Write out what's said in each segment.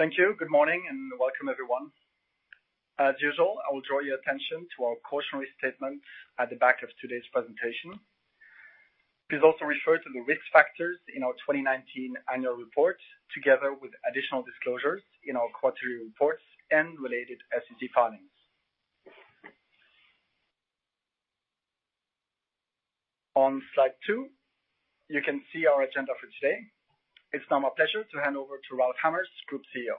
Thank you. Good morning, and welcome everyone. As usual, I will draw your attention to our cautionary statement at the back of today's presentation. Please also refer to the risk factors in our 2019 Annual Report, together with additional disclosures in our quarterly reports and related SEC filings. On slide two, you can see our agenda for today. It is now my pleasure to hand over to Ralph Hamers, Group CEO.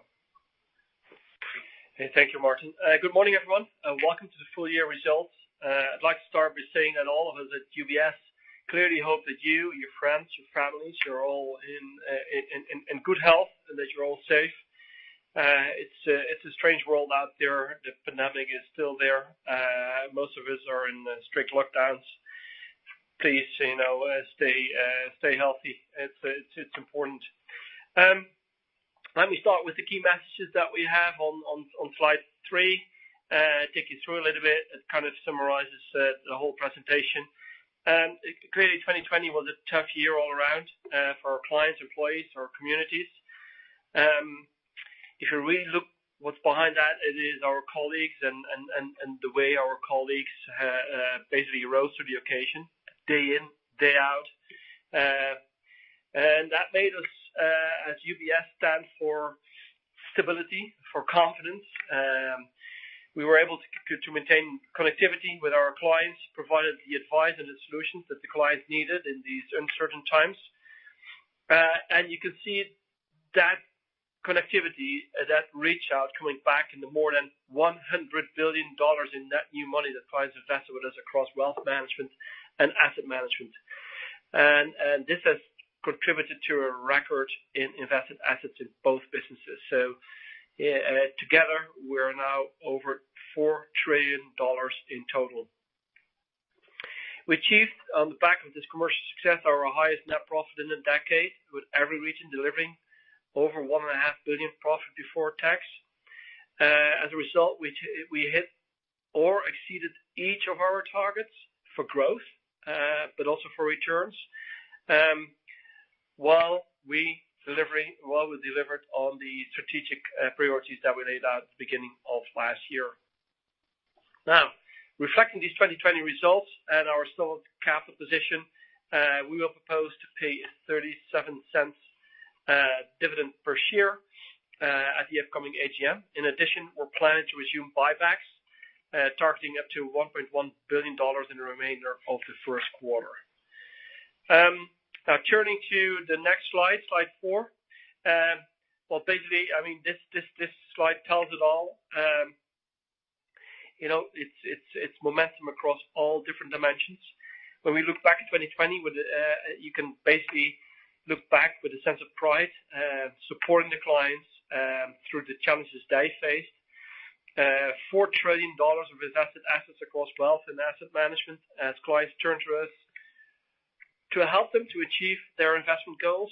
Hey. Thank you, Martin. Good morning, everyone. Welcome to the full year results. I'd like to start by saying that all of us at UBS clearly hope that you, your friends, your families, you're all in good health, and that you're all safe. It's a strange world out there. The pandemic is still there. Most of us are in strict lockdowns. Please, stay healthy. It's important. Let me start with the key messages that we have on slide three, take you through a little bit. It kind of summarizes the whole presentation. Clearly, 2020 was a tough year all around for our clients, employees, our communities. If you really look what's behind that, it is our colleagues and the way our colleagues basically rose to the occasion, day in, day out. That made us, as UBS, stand for stability, for confidence. We were able to maintain connectivity with our clients, provided the advice and the solutions that the clients needed in these uncertain times. You can see that connectivity, that reach out, coming back in the more than $100 billion in net new money that clients invested with us across Global Wealth Management and UBS Asset Management. This has contributed to a record in invested assets in both businesses. Together, we're now over $4 trillion in total. We achieved, on the back of this commercial success, our highest net profit in a decade, with every region delivering over $1.5 billion profit before tax. As a result, we hit or exceeded each of our targets for growth, but also for returns, while we delivered on the strategic priorities that we laid out at the beginning of last year. Reflecting these 2020 results and our solid capital position, we will propose to pay a $0.37 dividend per share at the upcoming AGM. In addition, we're planning to resume buybacks, targeting up to $1.1 billion in the remainder of the first quarter. Turning to the next slide four. Well, basically, this slide tells it all. It's momentum across all different dimensions. When we look back at 2020, you can basically look back with a sense of pride, supporting the clients through the challenges they faced. $4 trillion of invested assets across wealth and asset management as clients turn to us to help them to achieve their investment goals.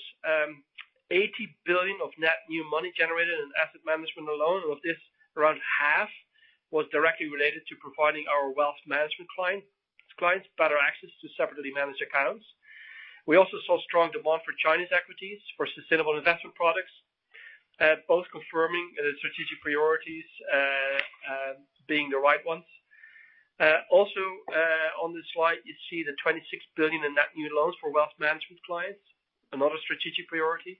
$80 billion of net new money generated in asset management alone. Of this, around half was directly related to providing our wealth management clients better access to separately managed accounts. We also saw strong demand for Chinese equities, for sustainable investment products, both confirming the strategic priorities being the right ones. Also, on this slide, you see the $26 billion in net new loans for Global Wealth Management clients, another strategic priority.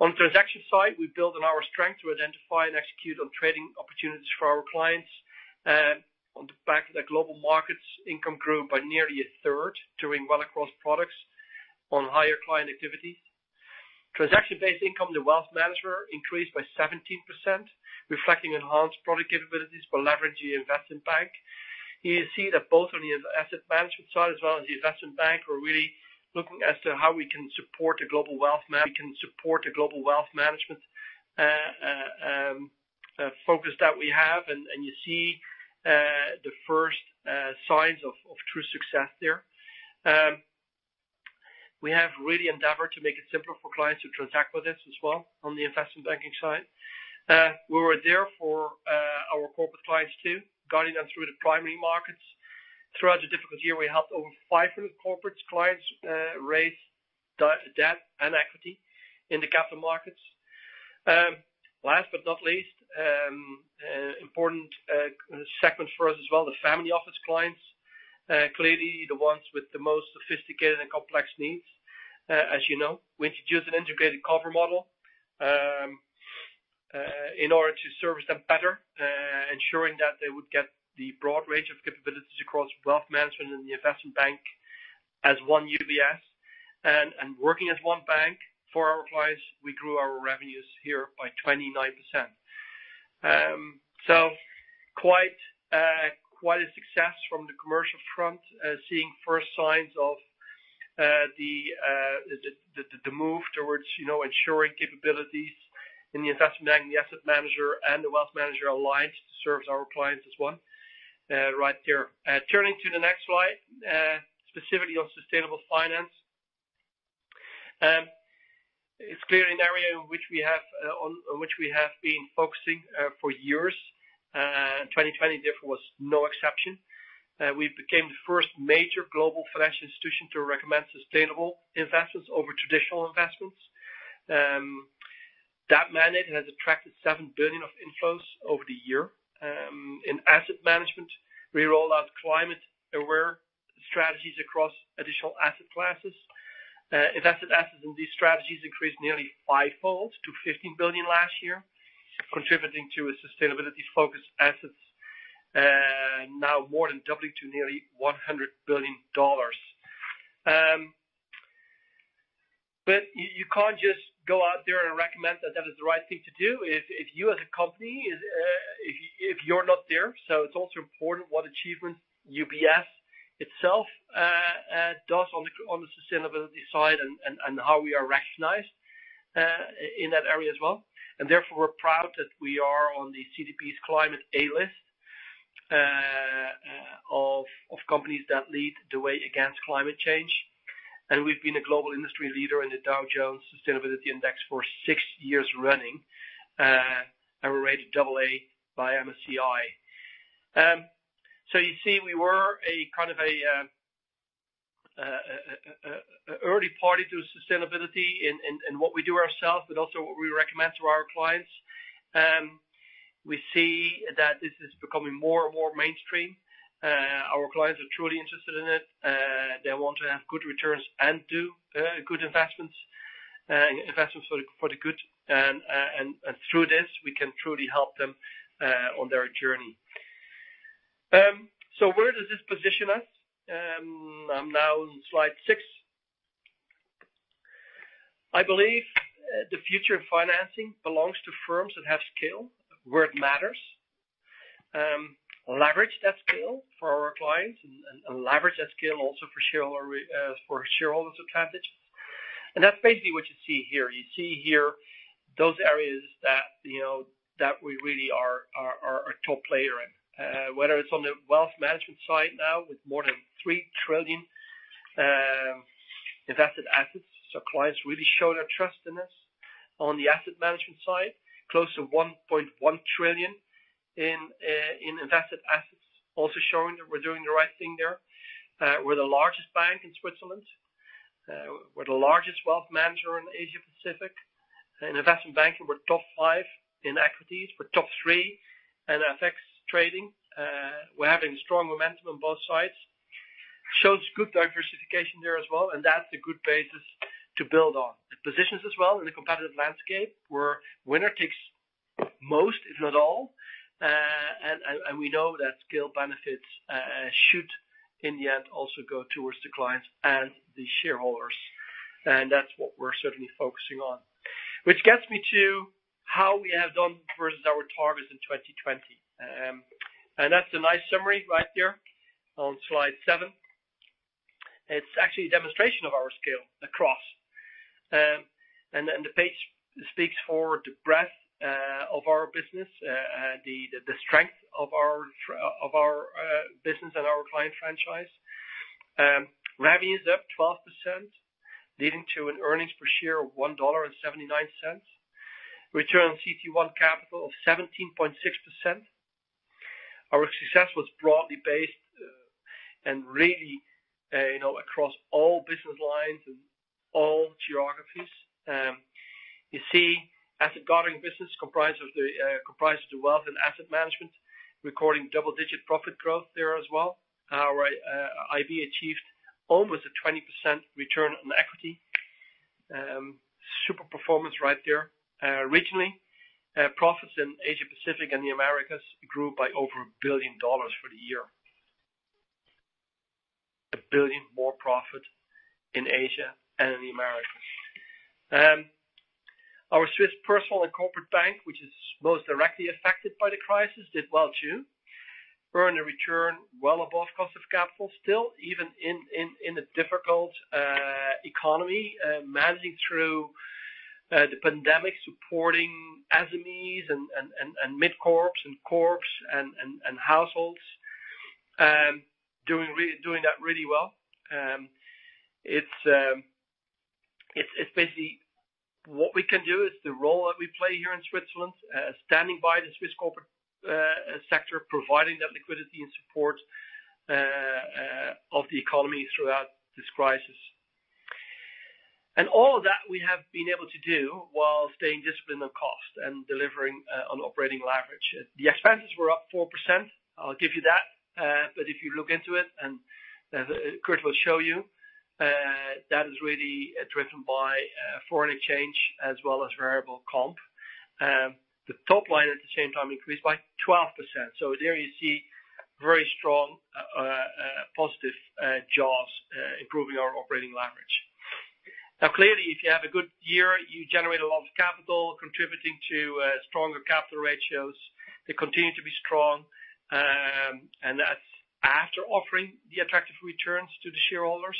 On transaction side, we build on our strength to identify and execute on trading opportunities for our clients. On the back of the Global Markets, income grew by nearly a third, doing well across products on higher client activities. Transaction-based income to Global Wealth Management increased by 17%, reflecting enhanced product capabilities for leveraging the Investment Bank. You see that both on the Asset Management side as well as the Investment Bank, we're really looking as to how we can support the Global Wealth Management focus that we have. You see the first signs of true success there. We have really endeavored to make it simpler for clients to transact with us as well on the investment banking side. We were there for our corporate clients, too, guiding them through the primary markets. Throughout the difficult year, we helped over 500 corporate clients raise debt and equity in the capital markets. Last but not least, important segment for us as well, the family office clients. Clearly, the ones with the most sophisticated and complex needs, as you know. We introduced an integrated cover model in order to service them better, ensuring that they would get the broad range of capabilities across Global Wealth Management and the Investment Bank as One UBS. Working as one bank for our clients, we grew our revenues here by 29%. Quite a success from the commercial front, seeing first signs of the move towards ensuring capabilities in the Investment Bank and the Asset Management and the Global Wealth Management alliance to service our clients as one right there. Turning to the next slide, specifically on sustainable finance. It's clearly an area on which we have been focusing for years. 2020, therefore, was no exception. We became the first major global financial institution to recommend sustainable investments over traditional investments. That mandate has attracted $7 billion of inflows over the year. In Asset Management, we roll out climate-aware strategies across additional asset classes. Invested assets in these strategies increased nearly fivefold to $15 billion last year, contributing to a sustainability-focused assets, now more than doubling to nearly $100 billion. You can't just go out there and recommend that that is the right thing to do if you as a company, if you're not there. It's also important what achievements UBS itself does on the sustainability side and how we are recognized in that area as well. Therefore, we're proud that we are on the CDP's Climate A List of companies that lead the way against climate change. We've been a global industry leader in the Dow Jones Sustainability Index for six years running, and we're rated AA by MSCI. You see, we were a kind of early party to sustainability in what we do ourselves, but also what we recommend to our clients. We see that this is becoming more and more mainstream. Our clients are truly interested in it. They want to have good returns and do good investments for the good. Through this, we can truly help them on their journey. Where does this position us? I'm now on slide six. I believe the future of financing belongs to firms that have scale where it matters. Leverage that scale for our clients and leverage that scale also for shareholders' advantage. That's basically what you see here. You see here those areas that we really are a top player in, whether it's on the Global Wealth Management side now with more than $3 trillion invested assets. Clients really show their trust in us. On the UBS Asset Management side, close to $1.1 trillion in invested assets, also showing that we're doing the right thing there. We're the largest bank in Switzerland. We're the largest wealth manager in Asia-Pacific. In Investment Bank, we're top five in equities. We're top three in FX. We're having strong momentum on both sides. Shows good diversification there as well, and that's a good basis to build on. The positions as well in the competitive landscape, where winner takes most, if not all. We know that scale benefits should, in the end, also go towards the clients and the shareholders. That's what we're certainly focusing on. Which gets me to how we have done versus our targets in 2020. That's a nice summary right there on slide seven. It's actually a demonstration of our scale across. The page speaks for the breadth of our business, the strength of our business and our client franchise. Revenue is up 12%, leading to an earnings per share of $1.79. Return on CET1 capital of 17.6%. Our success was broadly based and really across all business lines and all geographies. You see asset gathering business comprised of the wealth and asset management, recording double-digit profit growth there as well. Our IB achieved over 20% return on equity. Super performance right there. Regionally, profits in Asia-Pacific and the Americas grew by over $1 billion for the year. $1 billion more profit in Asia and in the Americas. Our Swiss Personal and Corporate Bank, which is most directly affected by the crisis, did well, too. Earned a return well above cost of capital still, even in a difficult economy, managing through the pandemic, supporting SMEs and mid corps and corps and households. Doing that really well. It's basically what we can do. It's the role that we play here in Switzerland, standing by the Swiss corporate sector, providing that liquidity and support of the economy throughout this crisis. All of that we have been able to do while staying disciplined on cost and delivering on operating leverage. The expenses were up 4%. I'll give you that. If you look into it, and Kirt will show you, that is really driven by foreign exchange as well as variable comp. The top line, at the same time, increased by 12%. There you see very strong, positive jaws improving our operating leverage. Clearly, if you have a good year, you generate a lot of capital, contributing to stronger capital ratios. They continue to be strong, and that's after offering the attractive returns to the shareholders.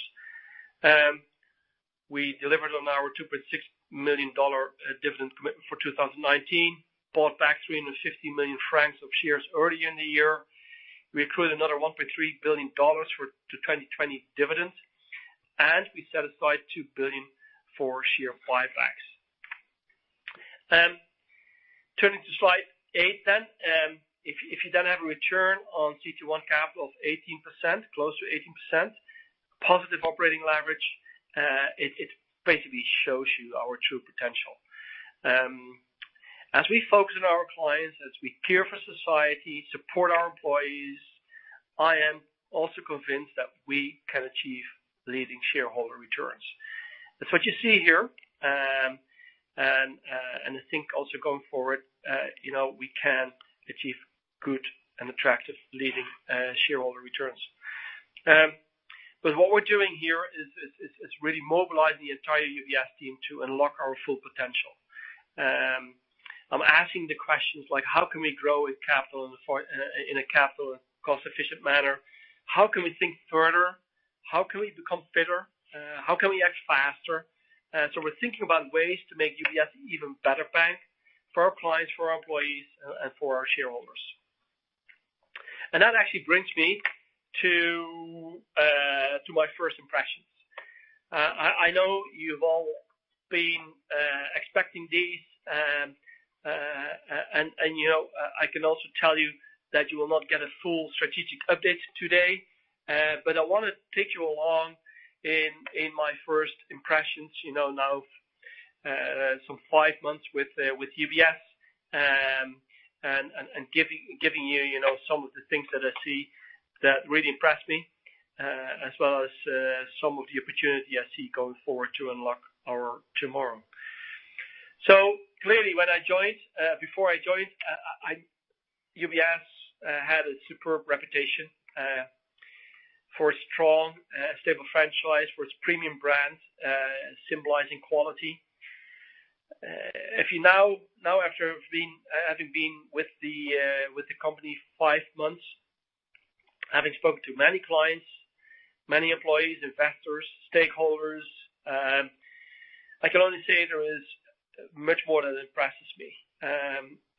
We delivered on our $2.6 million dividend commitment for 2019, bought back 350 million francs of shares early in the year. We accrued another $1.3 billion for the 2020 dividend, and we set aside $2 billion for share buybacks. Turning to slide eight then. If you then have a return on CET1 capital of 18%, close to 18%, positive operating leverage, it basically shows you our true potential. As we focus on our clients, as we care for society, support our employees, I am also convinced that we can achieve leading shareholder returns. That's what you see here. I think also going forward, we can achieve good and attractive leading shareholder returns. What we're doing here is really mobilize the entire UBS team to unlock our full potential. I'm asking the questions like, how can we grow in a capital cost-efficient manner? How can we think further? How can we become fitter? How can we act faster? We're thinking about ways to make UBS even better bank for our clients, for our employees, and for our shareholders. That actually brings me to my first impressions. I know you've all been expecting these, and I can also tell you that you will not get a full strategic update today. I want to take you along in my first impressions, now some five months with UBS, and giving you some of the things that I see that really impressed me, as well as some of the opportunity I see going forward to unlock our tomorrow. Clearly when I joined, before I joined, UBS had a superb reputation for a strong, stable franchise, for its premium brand, and symbolizing quality. Now after having been with the company five months, having spoken to many clients, many employees, investors, stakeholders, I can only say there is much more that impresses me.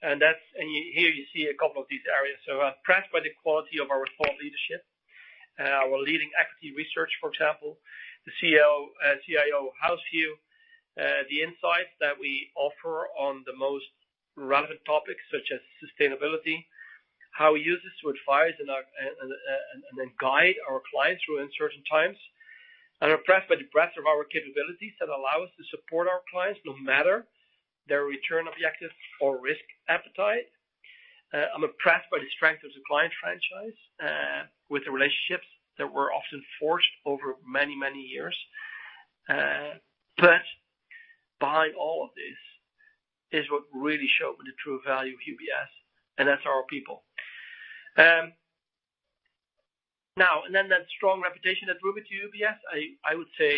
Here you see a couple of these areas. I'm impressed by the quality of our thought leadership, our leading equity research, for example, the CIO house view, the insights that we offer on the most relevant topics, such as sustainability, how we use this to advise and then guide our clients through uncertain times. I'm impressed by the breadth of our capabilities that allow us to support our clients, no matter their return objectives or risk appetite. I'm impressed by the strength of the client franchise, with the relationships that were often forged over many, many years. Behind all of this is what really showed me the true value of UBS, and that's our people. That strong reputation that rub it to UBS, I would say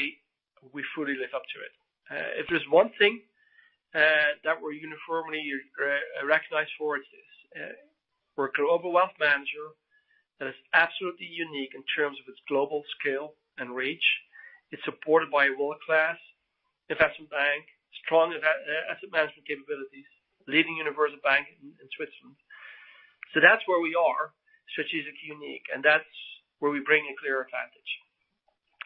we fully live up to it. If there's one thing that we're uniformly recognized for, it is we're a global wealth manager that is absolutely unique in terms of its global scale and reach. It's supported by a world-class Investment Bank, strong Asset Management capabilities, leading Universal Bank in Switzerland. That's where we are, strategically unique, and that's where we bring a clear advantage.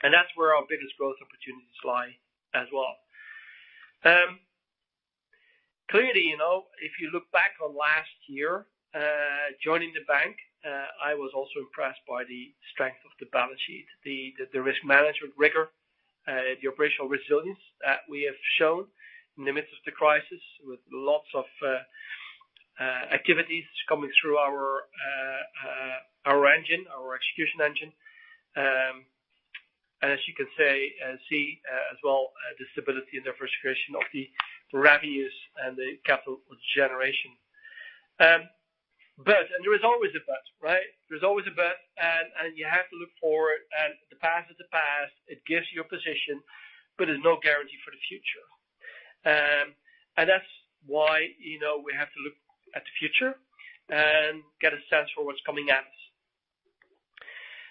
That's where our biggest growth opportunities lie as well. Clearly, if you look back on last year, joining the bank, I was also impressed by the strength of the balance sheet, the risk management rigor, the operational resilience that we have shown in the midst of the crisis, with lots of activities coming through our engine, our execution engine. As you can see as well, the stability and diversification of the revenues and the capital generation. There is always a but, right? There's always a but, and you have to look forward, and the past is the past. It gives you a position, but it's no guarantee for the future. That's why we have to look at the future and get a sense for what's coming at us.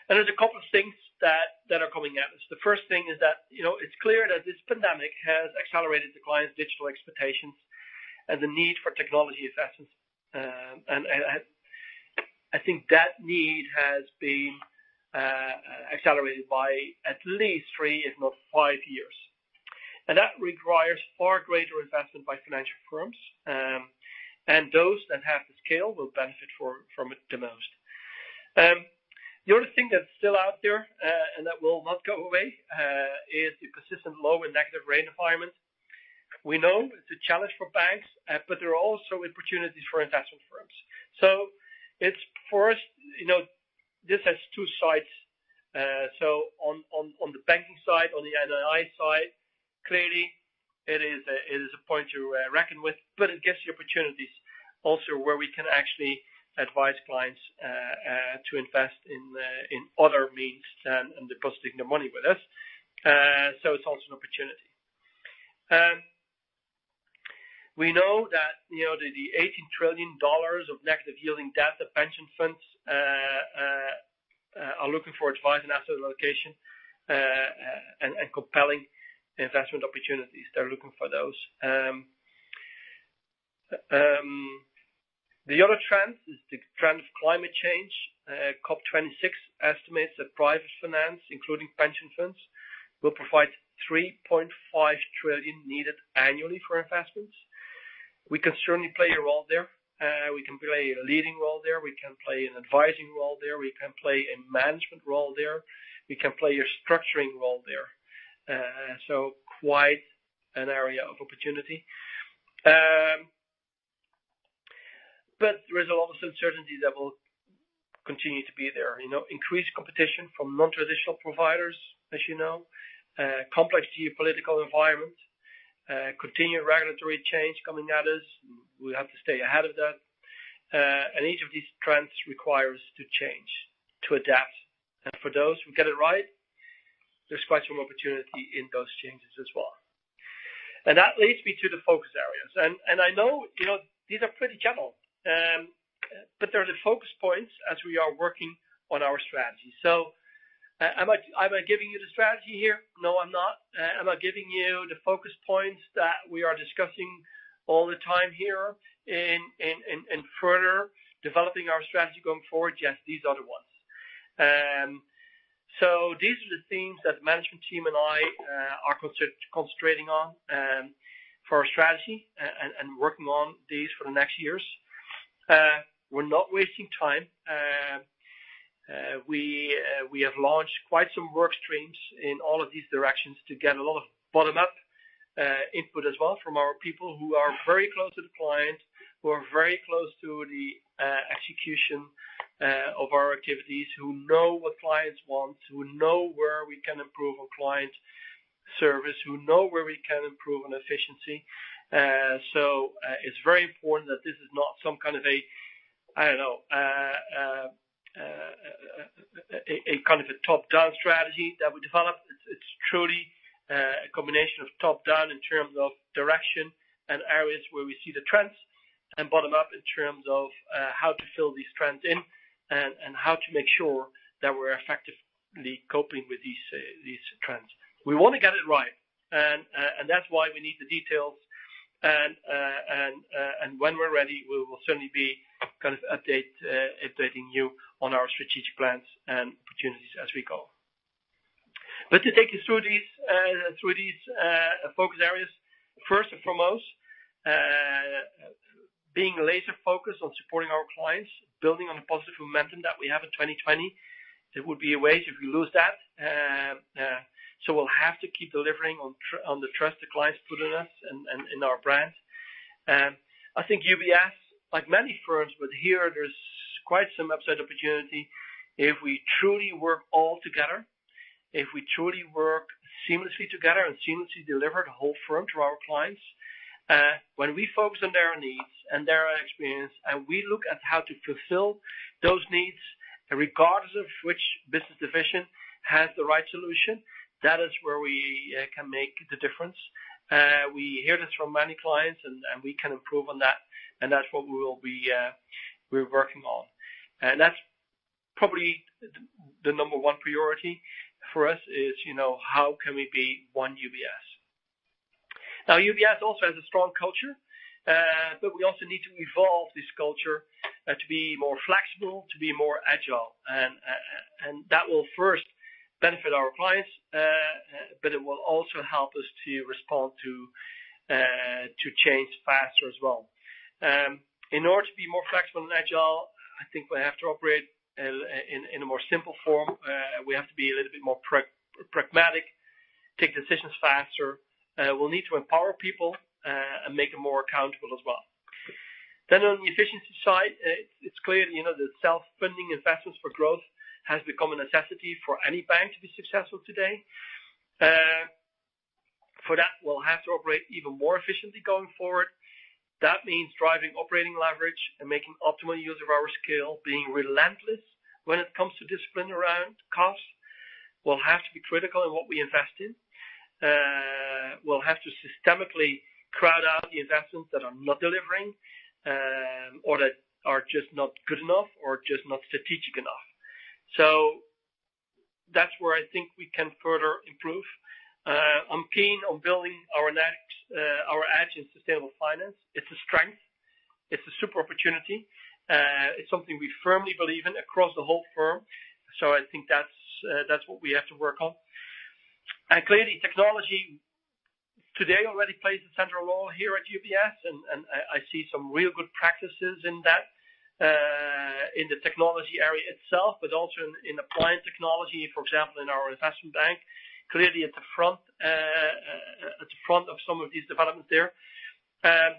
There's a couple of things that are coming at us. The first thing is that it's clear that this pandemic has accelerated the clients' digital expectations and the need for technology assessments. I think that need has been accelerated by at least three, if not five years. That requires far greater investment by financial firms. Those that have the scale will benefit from it the most. The only thing that's still out there, and that will not go away, is the persistent low and negative rate environment. We know it's a challenge for banks. There are also opportunities for investment firms. For us, this has two sides. On the banking side, on the NII side, clearly it is a point to reckon with, but it gives you opportunities also where we can actually advise clients to invest in other means than depositing their money with us. It's also an opportunity. We know that the $18 trillion of negative yielding debt that pension funds are looking for advice on asset allocation and compelling investment opportunities. They're looking for those. The other trend is the trend of climate change. COP26 estimates that private finance, including pension funds, will provide $3.5 trillion needed annually for investments. We can certainly play a role there. We can play a leading role there. We can play an advising role there. We can play a management role there. We can play a structuring role there. Quite an area of opportunity. There is a lot of uncertainty that will continue to be there. Increased competition from non-traditional providers, as you know, complex geopolitical environment, continued regulatory change coming at us. We have to stay ahead of that. Each of these trends requires to change, to adapt. For those who get it right, there's quite some opportunity in those changes as well. That leads me to the focus areas. I know these are pretty general, but they're the focus points as we are working on our strategy. Am I giving you the strategy here? No, I'm not. Am I giving you the focus points that we are discussing all the time here in further developing our strategy going forward? Yes, these are the ones. These are the themes that the management team and I are concentrating on, for our strategy and working on these for the next years. We're not wasting time. We have launched quite some work streams in all of these directions to get a lot of bottom-up input as well from our people who are very close to the client, who are very close to the execution of our activities, who know what clients want, who know where we can improve on client service, who know where we can improve on efficiency. It's very important that this is not some kind of a top-down strategy that we developed. It's truly a combination of top-down in terms of direction and areas where we see the trends, and bottom-up in terms of how to fill these trends in and how to make sure that we're effectively coping with these trends. We want to get it right, and that's why we need the details. When we're ready, we will certainly be updating you on our strategic plans and opportunities as we go. Let me take you through these focus areas. First and foremost, being laser-focused on supporting our clients, building on the positive momentum that we have in 2020. It would be a waste if we lose that. We'll have to keep delivering on the trust the clients put in us and in our brand. I think UBS, like many firms, here, there's quite some upside opportunity if we truly work all together, if we truly work seamlessly together and seamlessly deliver the whole firm to our clients. When we focus on their needs and their experience, we look at how to fulfill those needs, regardless of which business division has the right solution, that is where we can make the difference. We hear this from many clients, we can improve on that's what we're working on. That's probably the number one priority for us is, how can we be One UBS? Now, UBS also has a strong culture. We also need to evolve this culture to be more flexible, to be more agile. That will first benefit our clients, but it will also help us to respond to change faster as well. In order to be more flexible and agile, I think we have to operate in a more simple form. We have to be a little bit more pragmatic, take decisions faster. We'll need to empower people, and make them more accountable as well. On the efficiency side, it's clear, the self-funding investments for growth has become a necessity for any bank to be successful today. For that, we'll have to operate even more efficiently going forward. That means driving operating leverage and making optimal use of our scale, being relentless when it comes to discipline around costs. We'll have to be critical in what we invest in. We'll have to systemically crowd out the investments that are not delivering, or that are just not good enough or just not strategic enough. That's where I think we can further improve. I'm keen on building our edge in sustainable finance. It's a strength. It's a super opportunity. It's something we firmly believe in across the whole firm. I think that's what we have to work on. Clearly, technology today already plays a central role here at UBS, and I see some real good practices in that, in the technology area itself, but also in applied technology, for example, in our Investment Bank, clearly at the front of some of these developments there. I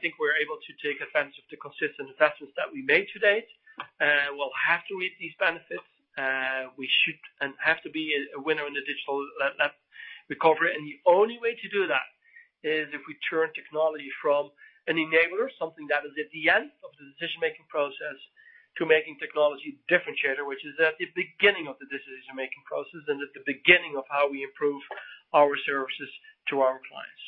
think we're able to take advantage of the consistent investments that we made to date. We'll have to reap these benefits. We should and have to be a winner in the digital recovery. The only way to do that is if we turn technology from an enabler, something that is at the end of the decision-making process, to making technology differentiator, which is at the beginning of the decision-making process and at the beginning of how we improve our services to our clients.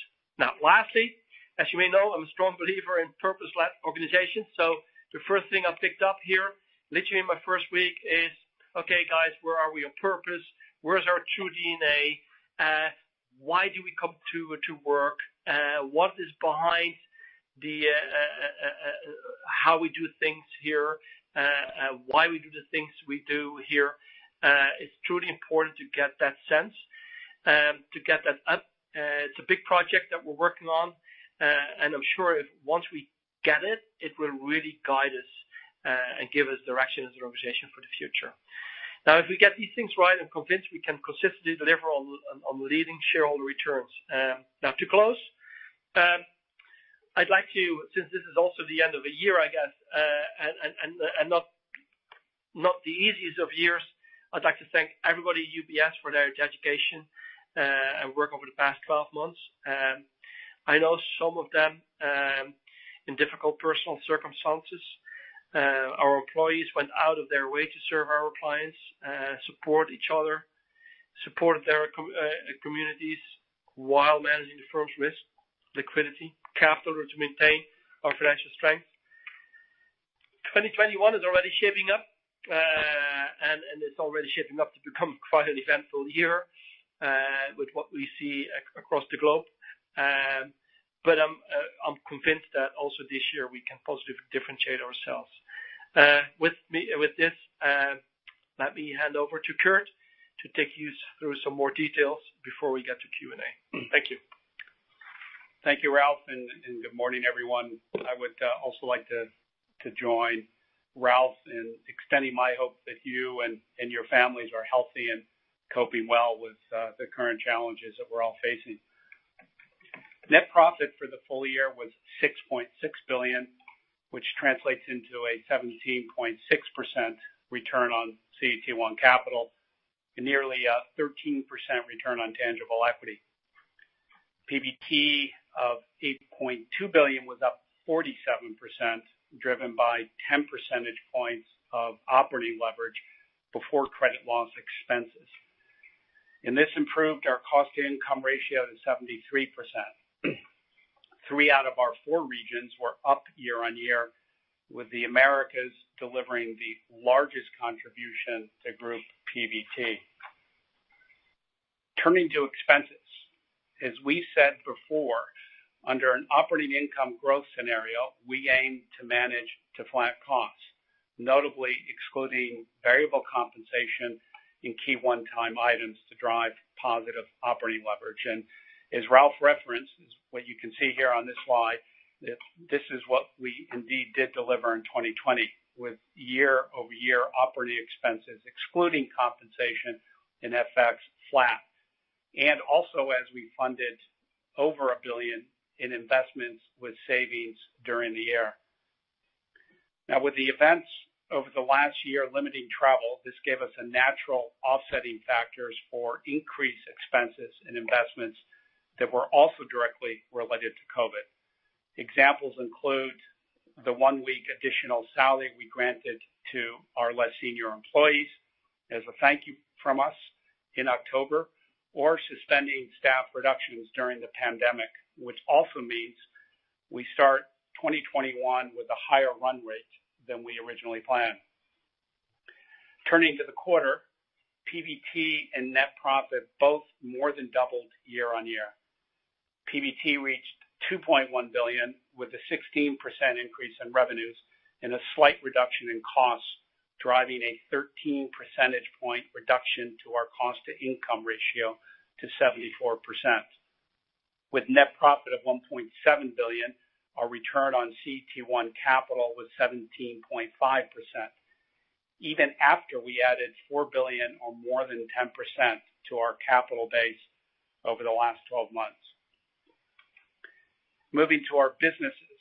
Lastly, as you may know, I'm a strong believer in purpose-led organizations. The first thing I picked up here, literally in my first week, is, okay, guys, where are we on purpose? Where's our true DNA? Why do we come to work? What is behind how we do things here, why we do the things we do here? It's truly important to get that sense. It's a big project that we're working on, and I'm sure once we get it will really guide us and give us direction as an organization for the future. If we get these things right, I'm convinced we can consistently deliver on leading shareholder returns. To close, since this is also the end of the year, I guess, and not the easiest of years, I'd like to thank everybody at UBS for their dedication and work over the past 12 months, I know some of them in difficult personal circumstances. Our employees went out of their way to serve our clients, support each other, support their communities while managing the firm's risk, liquidity, capital to maintain our financial strength. 2021 is already shaping up to become quite an eventful year with what we see across the globe. I'm convinced that also this year, we can positively differentiate ourselves. With this, let me hand over to Kirt to take you through some more details before we get to Q&A. Thank you. Thank you, Ralph. Good morning, everyone. I would also like to join Ralph in extending my hope that you and your families are healthy and coping well with the current challenges that we're all facing. Net profit for the full year was $6.6 billion, which translates into a 17.6% return on CET1 capital and nearly a 13% return on tangible equity. PBT of $8.2 billion was up 47%, driven by 10 percentage points of operating leverage before credit loss expenses. This improved our cost-to-income ratio to 73%. Three out of our four regions were up year-on-year, with the Americas delivering the largest contribution to group PBT. Turning to expenses, as we said before, under an operating income growth scenario, we aim to manage to flat costs, notably excluding variable compensation and key one-time items to drive positive operating leverage. As Ralph referenced, what you can see here on this slide, this is what we indeed did deliver in 2020 with year-over-year operating expenses, excluding compensation and FX flat, and also as we funded over $1 billion in investments with savings during the year. With the events over the last year limiting travel, this gave us a natural offsetting factors for increased expenses and investments that were also directly related to COVID. Examples include the one-week additional salary we granted to our less senior employees as a thank you from us in October, or suspending staff reductions during the pandemic, which also means we start 2021 with a higher run rate than we originally planned. Turning to the quarter, PBT and net profit both more than doubled year-on-year. PBT reached $ 2.1 billion, with a 16% increase in revenues and a slight reduction in costs, driving a 13 percentage point reduction to our cost-to-income ratio to 74%. With net profit of $1.7 billion, our return on CET1 capital was 17.5%, even after we added $4 billion or more than 10% to our capital base over the last 12 months. Moving to our businesses.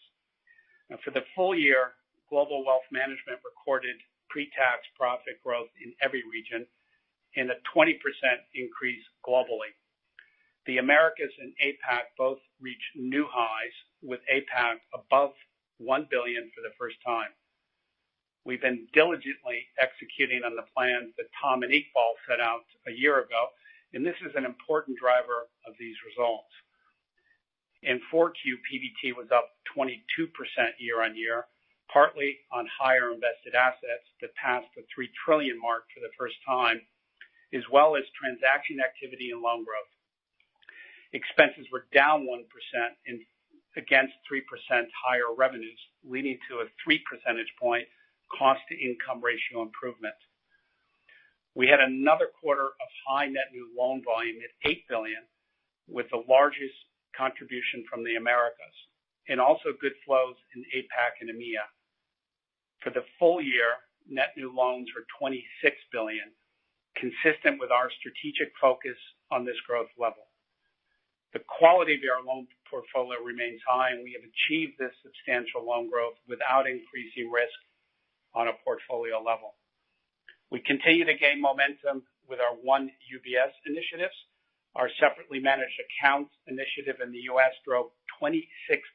For the full year, Global Wealth Management recorded pre-tax profit growth in every region and a 20% increase globally. The Americas and APAC both reached new highs, with APAC above $1 billion for the first time. We've been diligently executing on the plans that Tom and Iqbal set out a year ago, and this is an important driver of these results. In Q4, PBT was up 22% year-on-year, partly on higher invested assets that passed the $3 trillion mark for the first time, as well as transaction activity and loan growth. Expenses were down 1% against 3% higher revenues, leading to a three percentage point cost-to-income ratio improvement. We had another quarter of high net new loan volume at $8 billion, with the largest contribution from the Americas, and also good flows in APAC and EMEA. For the full year, net new loans were $26 billion, consistent with our strategic focus on this growth level. The quality of our loan portfolio remains high, and we have achieved this substantial loan growth without increasing risk on a portfolio level. We continue to gain momentum with our One UBS initiatives. Our separately managed accounts initiative in the U.S. drove $26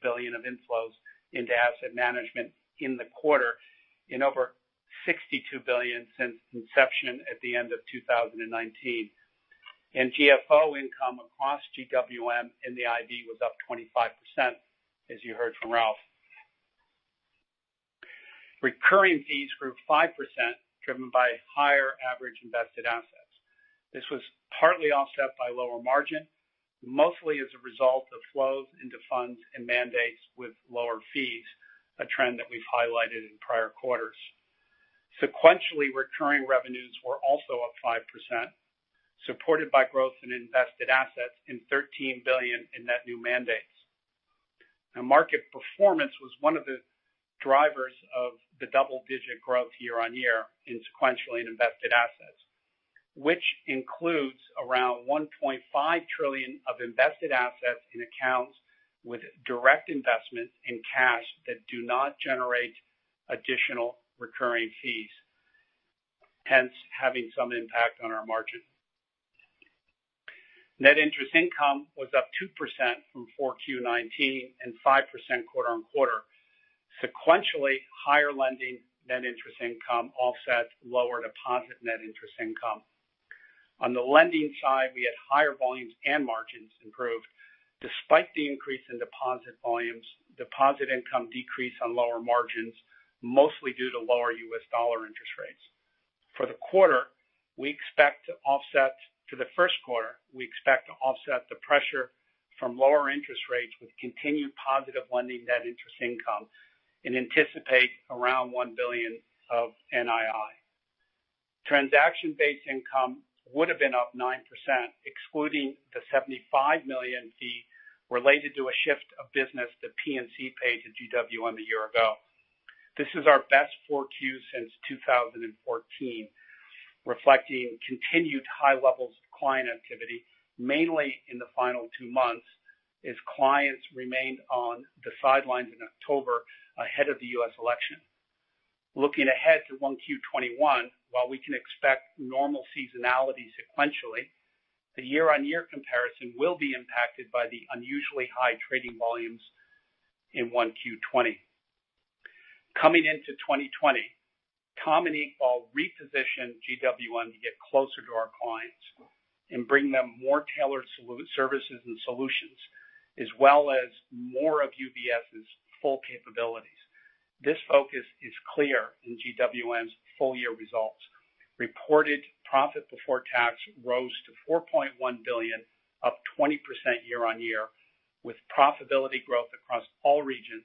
billion of inflows into asset management in the quarter and over $62 billion since inception at the end of 2019. GFO income across GWM in the IB was up 25%, as you heard from Ralph. Recurring fees grew 5%, driven by higher average invested assets. This was partly offset by lower margin, mostly as a result of flows into funds and mandates with lower fees, a trend that we've highlighted in prior quarters. Sequentially, recurring revenues were also up 5%, supported by growth in invested assets and $13 billion in net new mandates. Market performance was one of the drivers of the double-digit growth year-on-year in sequentially in invested assets, which includes around $1.5 trillion of invested assets in accounts with direct investment in cash that do not generate additional recurring fees, hence having some impact on our margin. Net interest income was up 2% from 4Q 2019, and 5% quarter-on-quarter. Sequentially, higher lending net interest income offset lower deposit net interest income. On the lending side, we had higher volumes and margins improved. Despite the increase in deposit volumes, deposit income decreased on lower margins, mostly due to lower U.S. dollar interest rates. For the first quarter, we expect to offset the pressure from lower interest rates with continued positive lending net interest income, and anticipate around $1 billion of NII. Transaction-based income would've been up 9%, excluding the $75 million fee related to a shift of business that P&C paid to GWM a year ago. This is our best 4Q since 2014, reflecting continued high levels of client activity, mainly in the final two months as clients remained on the sidelines in October ahead of the U.S. election. Looking ahead to 1Q 2021, while we can expect normal seasonality sequentially, the year-on-year comparison will be impacted by the unusually high trading volumes in 1Q 2020. Coming into 2020, Tom and Iqbal repositioned GWM to get closer to our clients and bring them more tailored services and solutions, as well as more of UBS's full capabilities. This focus is clear in GWM's full-year results. Reported profit before tax rose to $4.1 billion, up 20% year-on-year, with profitability growth across all regions,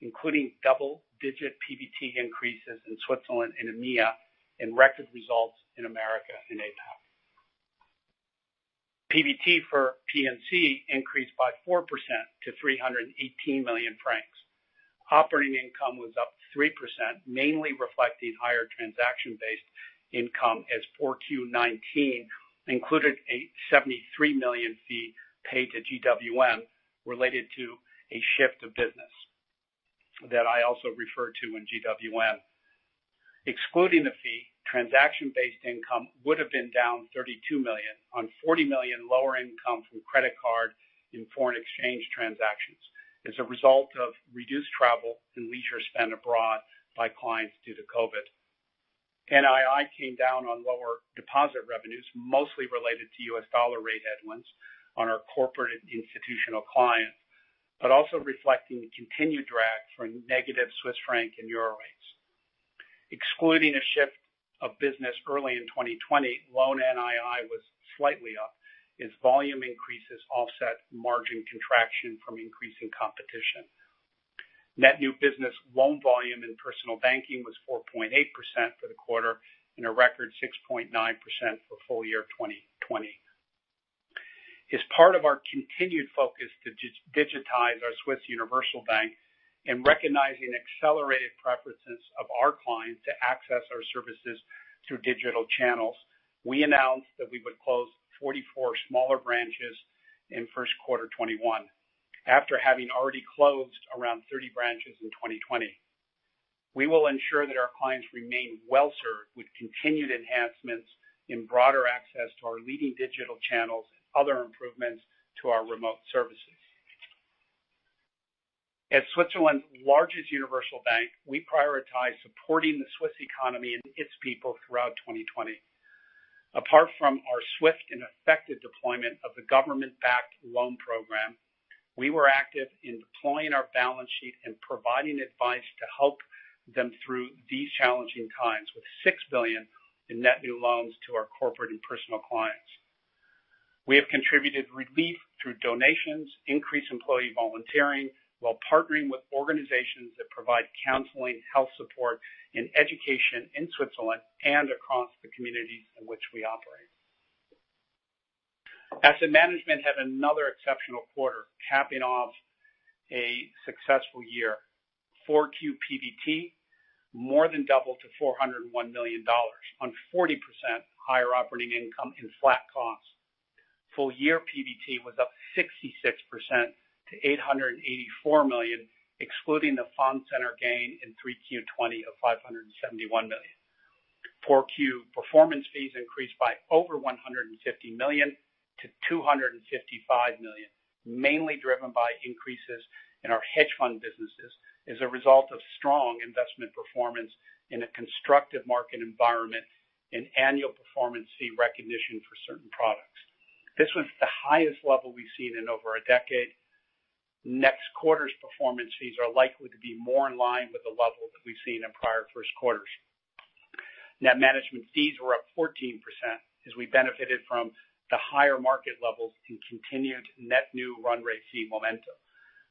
including double-digit PBT increases in Switzerland and EMEA, and record results in America and APAC. PBT for P&C increased by 4% to 318 million francs. Operating income was up 3%, mainly reflecting higher transaction-based income as 4Q 2019 included a $73 million fee paid to GWM related to a shift of business that I also referred to in GWM. Excluding the fee, transaction-based income would've been down $32 million on $40 million lower income from credit card and foreign exchange transactions as a result of reduced travel and leisure spend abroad by clients due to COVID. NII came down on lower deposit revenues, mostly related to U.S. dollar rate headwinds on our corporate and institutional clients, but also reflecting the continued drag from negative Swiss franc and euro rates. Excluding a shift of business early in 2020, loan NII was slightly up as volume increases offset margin contraction from increasing competition. Net new business loan volume in Personal Banking was 4.8% for the quarter and a record 6.9% for full year 2020. As part of our continued focus to digitize our Swiss Universal Bank and recognizing accelerated preferences of our clients to access our services through digital channels, we announced that we would close 44 smaller branches in first quarter 2021, after having already closed around 30 branches in 2020. We will ensure that our clients remain well-served with continued enhancements in broader access to our leading digital channels and other improvements to our remote services. As Switzerland's largest universal bank, we prioritize supporting the Swiss economy and its people throughout 2020. Apart from our swift and effective deployment of the Government-Backed Loan Program, we were active in deploying our balance sheet and providing advice to help them through these challenging times with $6 billion in net new loans to our corporate and personal clients. We have contributed relief through donations, increased employee volunteering, while partnering with organizations that provide counseling, health support, and education in Switzerland and across the communities in which we operate. Asset management had another exceptional quarter, capping off a successful year. 4Q PBT more than doubled to $401 million on 40% higher operating income and flat costs. Full-year PBT was up 66% to $884 million, excluding the Fondcenter gain in 3Q 2020 of $571 million. 4Q performance fees increased by over $150 million to $255 million, mainly driven by increases in our hedge fund businesses as a result of strong investment performance in a constructive market environment and annual performance fee recognition for certain products. This was the highest level we've seen in over a decade. Next quarter's performance fees are likely to be more in line with the level that we've seen in prior first quarters. Net management fees were up 14% as we benefited from the higher market levels and continued net new run rate fee momentum,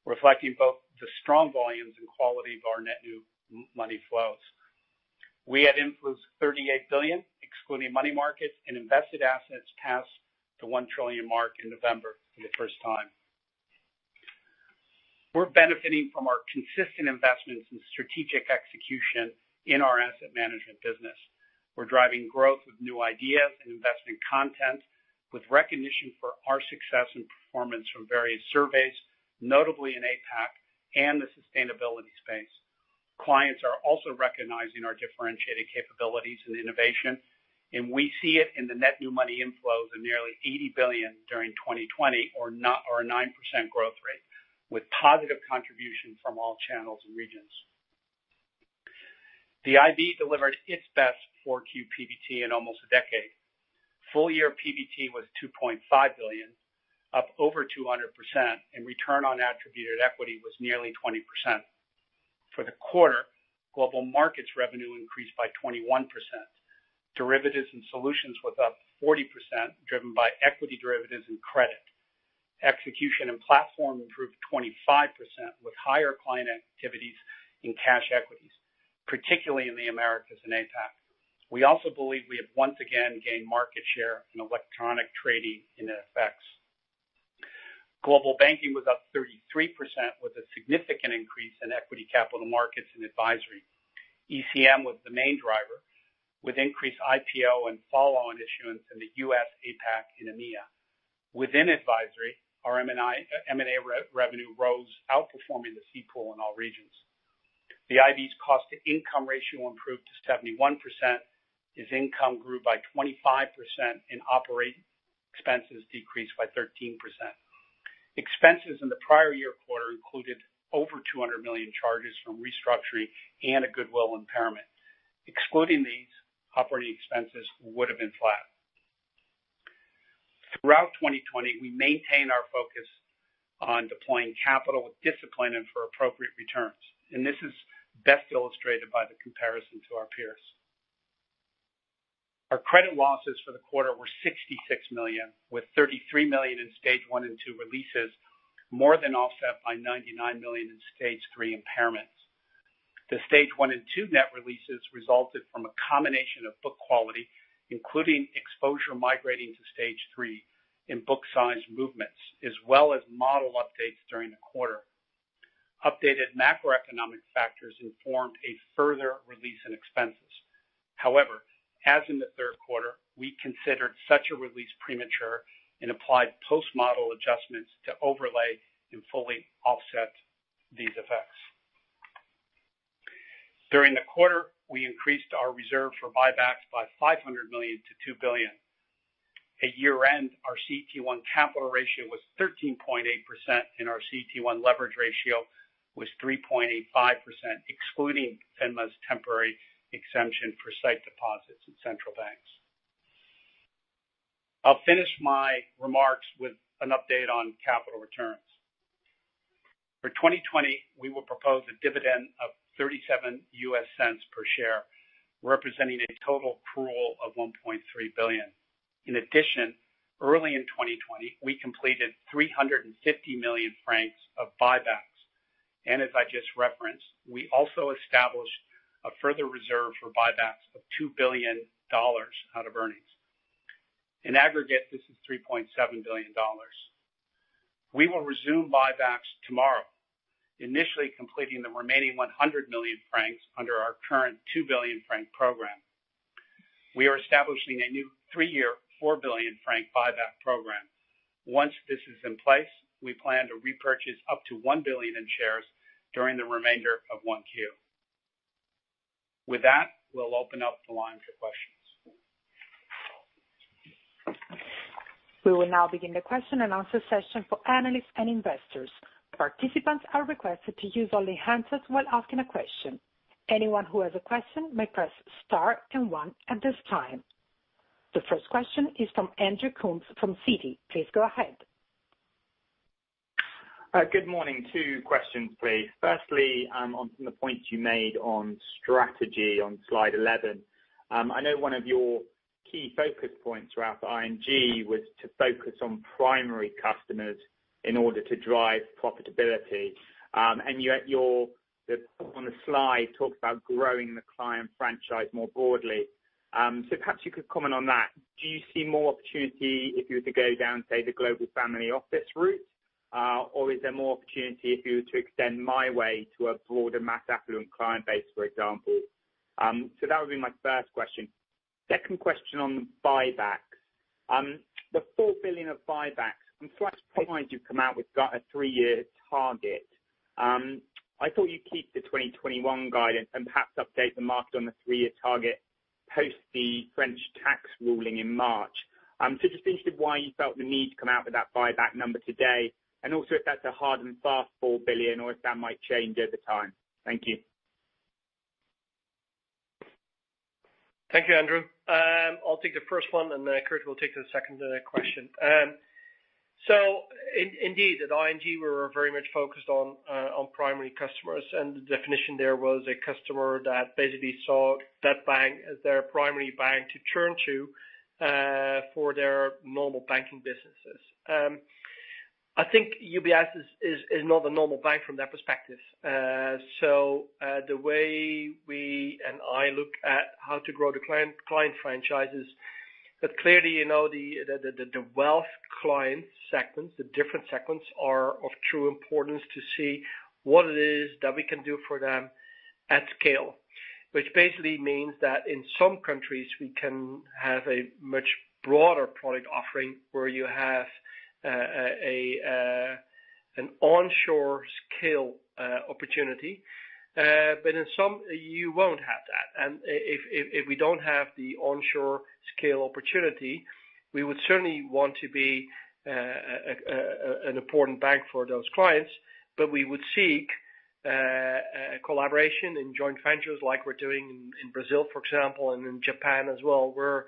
reflecting both the strong volumes and quality of our net new money flows. We had inflows of $38 billion, excluding money markets, and invested assets passed the $1 trillion mark in November for the first time. We're benefiting from our consistent investments in strategic execution in our asset management business. We're driving growth with new ideas and investing content with recognition for our success and performance from various surveys, notably in APAC and the sustainability space. Clients are also recognizing our differentiated capabilities and innovation, we see it in the net new money inflows of nearly $80 billion during 2020 or a 9% growth rate, with positive contribution from all channels and regions. The IB delivered its best 4Q PBT in almost a decade. Full year PBT was $ 2.5 billion, up over 200%, and return on attributed equity was nearly 20%. For the quarter, Global Markets revenue increased by 21%. Derivatives and Solutions was up 40%, driven by equity derivatives and credit. Execution and Platform improved 25% with higher client activities in cash equities, particularly in the Americas and APAC. We also believe we have once again gained market share in electronic trading in FX. Global Banking was up 33% with a significant increase in equity capital markets and advisory. ECM was the main driver, with increased IPO and follow-on issuance in the U.S., APAC, and EMEA. Within advisory, our M&A revenue rose, outperforming the fee pool in all regions. The IB's cost-to-income ratio improved to 71%, as income grew by 25% and operating expenses decreased by 13%. Expenses in the prior year quarter included over $200 million charges from restructuring and a goodwill impairment. Excluding these, operating expenses would've been flat. This is best illustrated by the comparison to our peers. Our credit losses for the quarter were $66 million, with $33 million in Stage 1 and Stage 2 releases, more than offset by $99 million in Stage 3 impairments. The Stage 1 and Stage 2 net releases resulted from a combination of book quality, including exposure migrating to Stage 3 in book size movements, as well as model updates during the quarter. Updated macroeconomic factors informed a further release in expenses. However, as in the third quarter, we considered such a release premature and applied post-model adjustments to overlay and fully offset these effects. During the quarter, we increased our reserve for buybacks by $500 million to $2 billion. At year-end, our CET1 capital ratio was 13.8%, and our CET1 leverage ratio was 3.85%, excluding FINMA's temporary exemption for sight deposits in central banks. I'll finish my remarks with an update on capital returns. For 2020, we will propose a dividend of $0.37 per share, representing a total accrual of $1.3 billion. In addition, early in 2020, we completed 350 million francs of buybacks. As I just referenced, we also established a further reserve for buybacks of $2 billion out of earnings. In aggregate, this is $3.7 billion. We will resume buybacks tomorrow, initially completing the remaining 100 million francs under our current 2 billion franc program. We are establishing a new three-year, 4 billion franc buyback program. Once this is in place, we plan to repurchase up to $1 billion in shares during the remainder of 1Q. With that, we'll open up the line for questions. We will now begin the question and answer session for analysts and investors. Participants are requested to use only handset while asking a question. Anyone who has a question may press star and one at this time. The first question is from Andrew Coombs from Citi. Please go ahead. Good morning. Two questions, please. On the points you made on strategy on slide 11. I know one of your key focus points throughout the ING was to focus on primary customers in order to drive profitability. On the slide, you talk about growing the client franchise more broadly. Perhaps you could comment on that. Do you see more opportunity if you were to go down, say, the global family office route? Is there more opportunity if you were to extend the way to a broader mass affluent client base, for example? That would be my first question. Second question on buybacks. The 4 billion of buybacks. I'm slightly surprised you've come out with a three-year target. I thought you'd keep the 2021 guidance and perhaps update the market on the three-year target post the French tax case in March. Just interested why you felt the need to come out with that buyback number today, and also if that's a hard and fast 4 billion or if that might change over time? Thank you. Thank you, Andrew. I'll take the first one, and then Kirt will take the second question. Indeed, at ING, we're very much focused on primary customers, and the definition there was a customer that basically saw that bank as their primary bank to turn to for their normal banking businesses. I think UBS is not a normal bank from that perspective. The way we and I look at how to grow the client franchises, that clearly, the wealth client segments, the different segments are of true importance to see what it is that we can do for them at scale, which basically means that in some countries, we can have a much broader product offering where you have an onshore scale opportunity. In some, you won't have that. If we don't have the onshore scale opportunity, we would certainly want to be an important bank for those clients, but we would seek collaboration in joint ventures like we're doing in Brazil, for example, and in Japan as well, where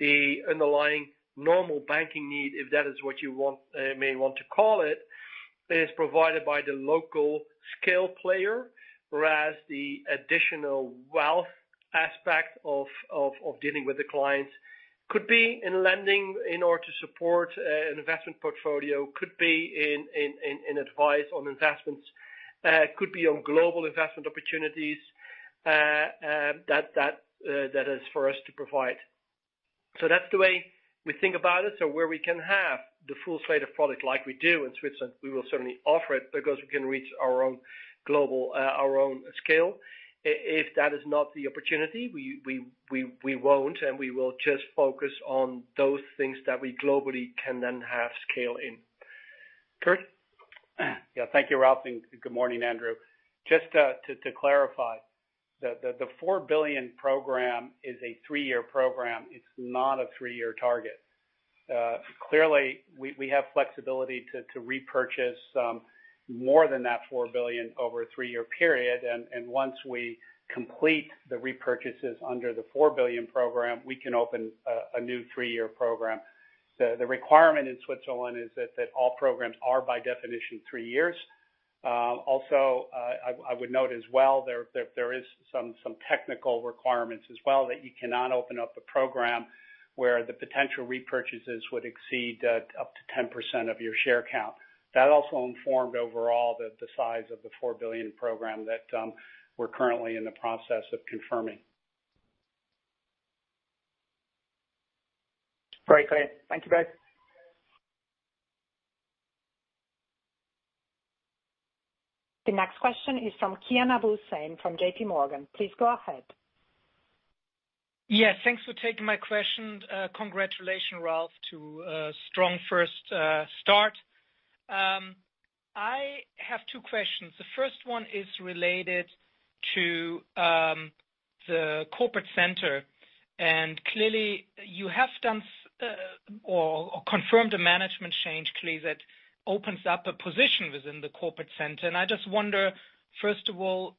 the underlying normal banking need, if that is what you may want to call it, is provided by the local scale player, whereas the additional wealth aspect of dealing with the clients could be in lending in order to support an investment portfolio, could be in advice on investments, could be on global investment opportunities, that is for us to provide. That's the way we think about it. Where we can have the full slate of product like we do in Switzerland, we will certainly offer it because we can reach our own scale. If that is not the opportunity, we won't, and we will just focus on those things that we globally can then have scale in. Kirt? Yeah. Thank you, Ralph, and good morning, Andrew. Just to clarify, the 4 billion program is a three-year program. It's not a three-year target. Clearly, we have flexibility to repurchase more than that 4 billion over a three-year period. Once we complete the repurchases under the 4 billion program, we can open a new three-year program. The requirement in Switzerland is that all programs are, by definition, three years. I would note as well, there is some technical requirements as well that you cannot open up a program where the potential repurchases would exceed up to 10% of your share count. That also informed overall that the size of the 4 billion program that we're currently in the process of confirming. Very clear. Thank you, guys. The next question is from Kian Abouhossein from J.P. Morgan. Please go ahead. Yeah. Thanks for taking my question. Congratulations, Ralph, to a strong first start. I have two questions. The first one is related to the Corporate Center, clearly, you have done or confirmed a management change clearly that opens up a position within the Corporate Center. I just wonder, first of all,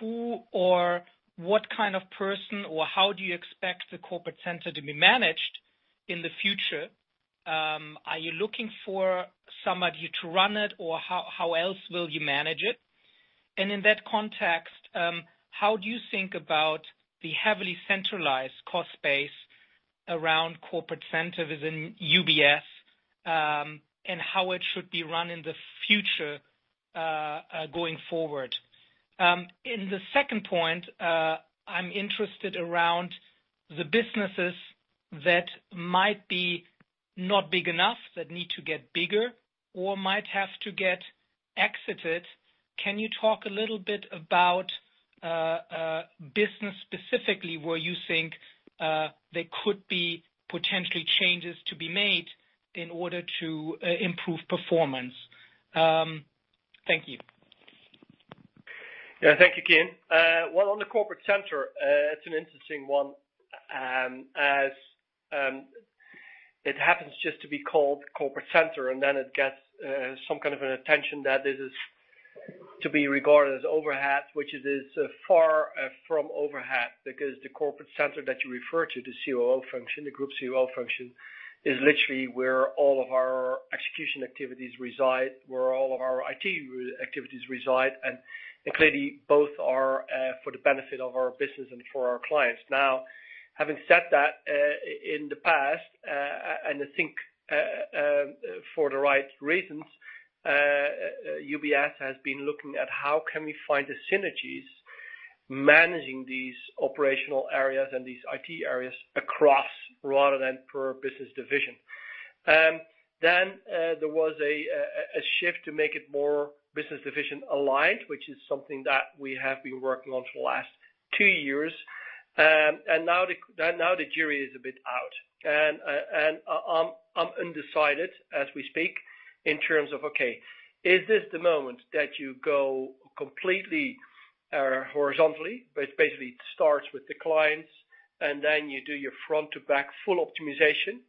who or what kind of person, or how do you expect the Corporate Center to be managed in the future? Are you looking for somebody to run it, or how else will you manage it? In that context, how do you think about the heavily centralized cost base around Corporate Center within UBS, and how it should be run in the future, going forward? In the second point, I'm interested around the businesses that might be not big enough that need to get bigger or might have to get exited. Can you talk a little bit about business specifically where you think there could be potentially changes to be made in order to improve performance? Thank you. Yeah. Thank you, Kian. Well, on the Corporate Center, it's an interesting one, as it happens just to be called Corporate Center, and then it gets some kind of an attention that it is to be regarded as overhead, which it is far from overhead because the Corporate Center that you refer to, the COO function, the Group COO function, is literally where all of our execution activities reside, where all of our IT activities reside, and clearly, both are for the benefit of our business and for our clients. Having said that, in the past, and I think for the right reasons, UBS has been looking at how can we find the synergies managing these operational areas and these IT areas across rather than per business division. There was a shift to make it more business division-aligned, which is something that we have been working on for the last two years. Now the jury is a bit out. I'm undecided as we speak in terms of, okay, is this the moment that you go completely horizontally, but it basically starts with the clients, and then you do your front to back full optimization,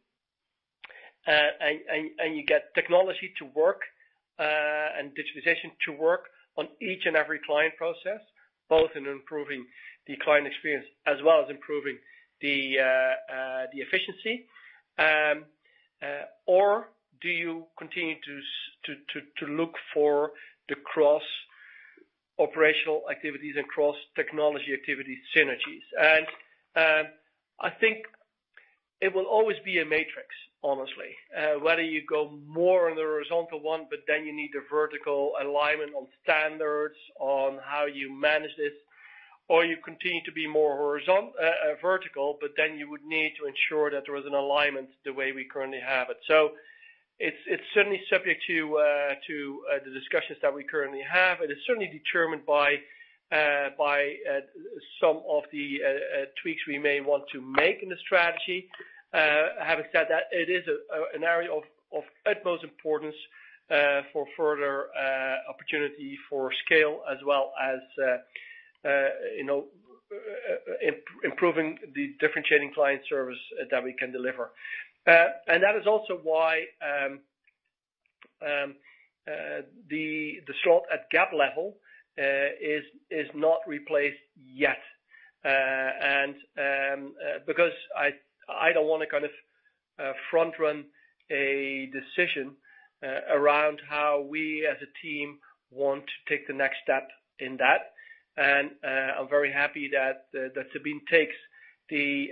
and you get technology to work, and digitization to work on each and every client process, both in improving the client experience as well as improving the efficiency? Do you continue to look for the cross-operational activities and cross-technology activity synergies? I think it will always be a matrix, honestly, whether you go more on the horizontal one, but then you need the vertical alignment on standards, on how you manage this, or you continue to be more vertical, but then you would need to ensure that there is an alignment the way we currently have it. It's certainly subject to the discussions that we currently have. It is certainly determined by some of the tweaks we may want to make in the strategy. Having said that, it is an area of utmost importance, for further opportunity for scale as well as improving the differentiating client service that we can deliver. That is also why the slot at GEB level is not replaced yet. I don't want to front-run a decision around how we as a team want to take the next step in that. I'm very happy that Sabine takes the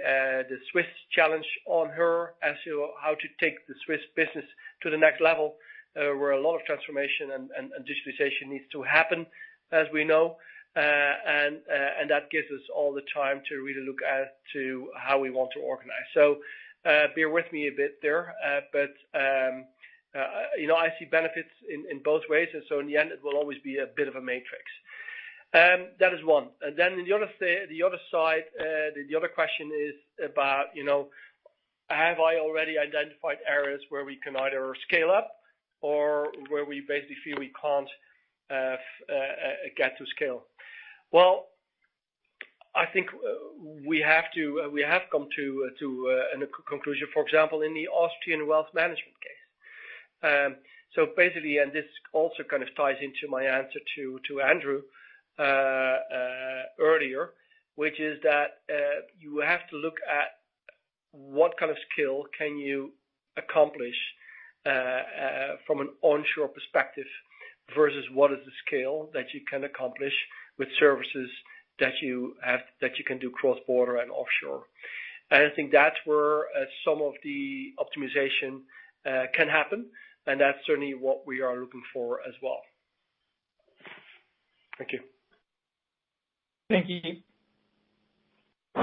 Swiss challenge on her as to how to take the Swiss business to the next level, where a lot of transformation and digitization needs to happen, as we know. That gives us all the time to really look as to how we want to organize. Bear with me a bit there. I see benefits in both ways. In the end, it will always be a bit of a matrix. That is one. The other question is about, have I already identified areas where we can either scale up or where we basically feel we can't get to scale? Well, I think we have come to a conclusion, for example, in the Austrian wealth management. Basically, and this also kind of ties into my answer to Andrew earlier, which is that, you have to look at what kind of scale can you accomplish from an onshore perspective versus what is the scale that you can accomplish with services that you can do cross-border and offshore. I think that's where some of the optimization can happen, and that's certainly what we are looking for as well. Thank you. Thank you.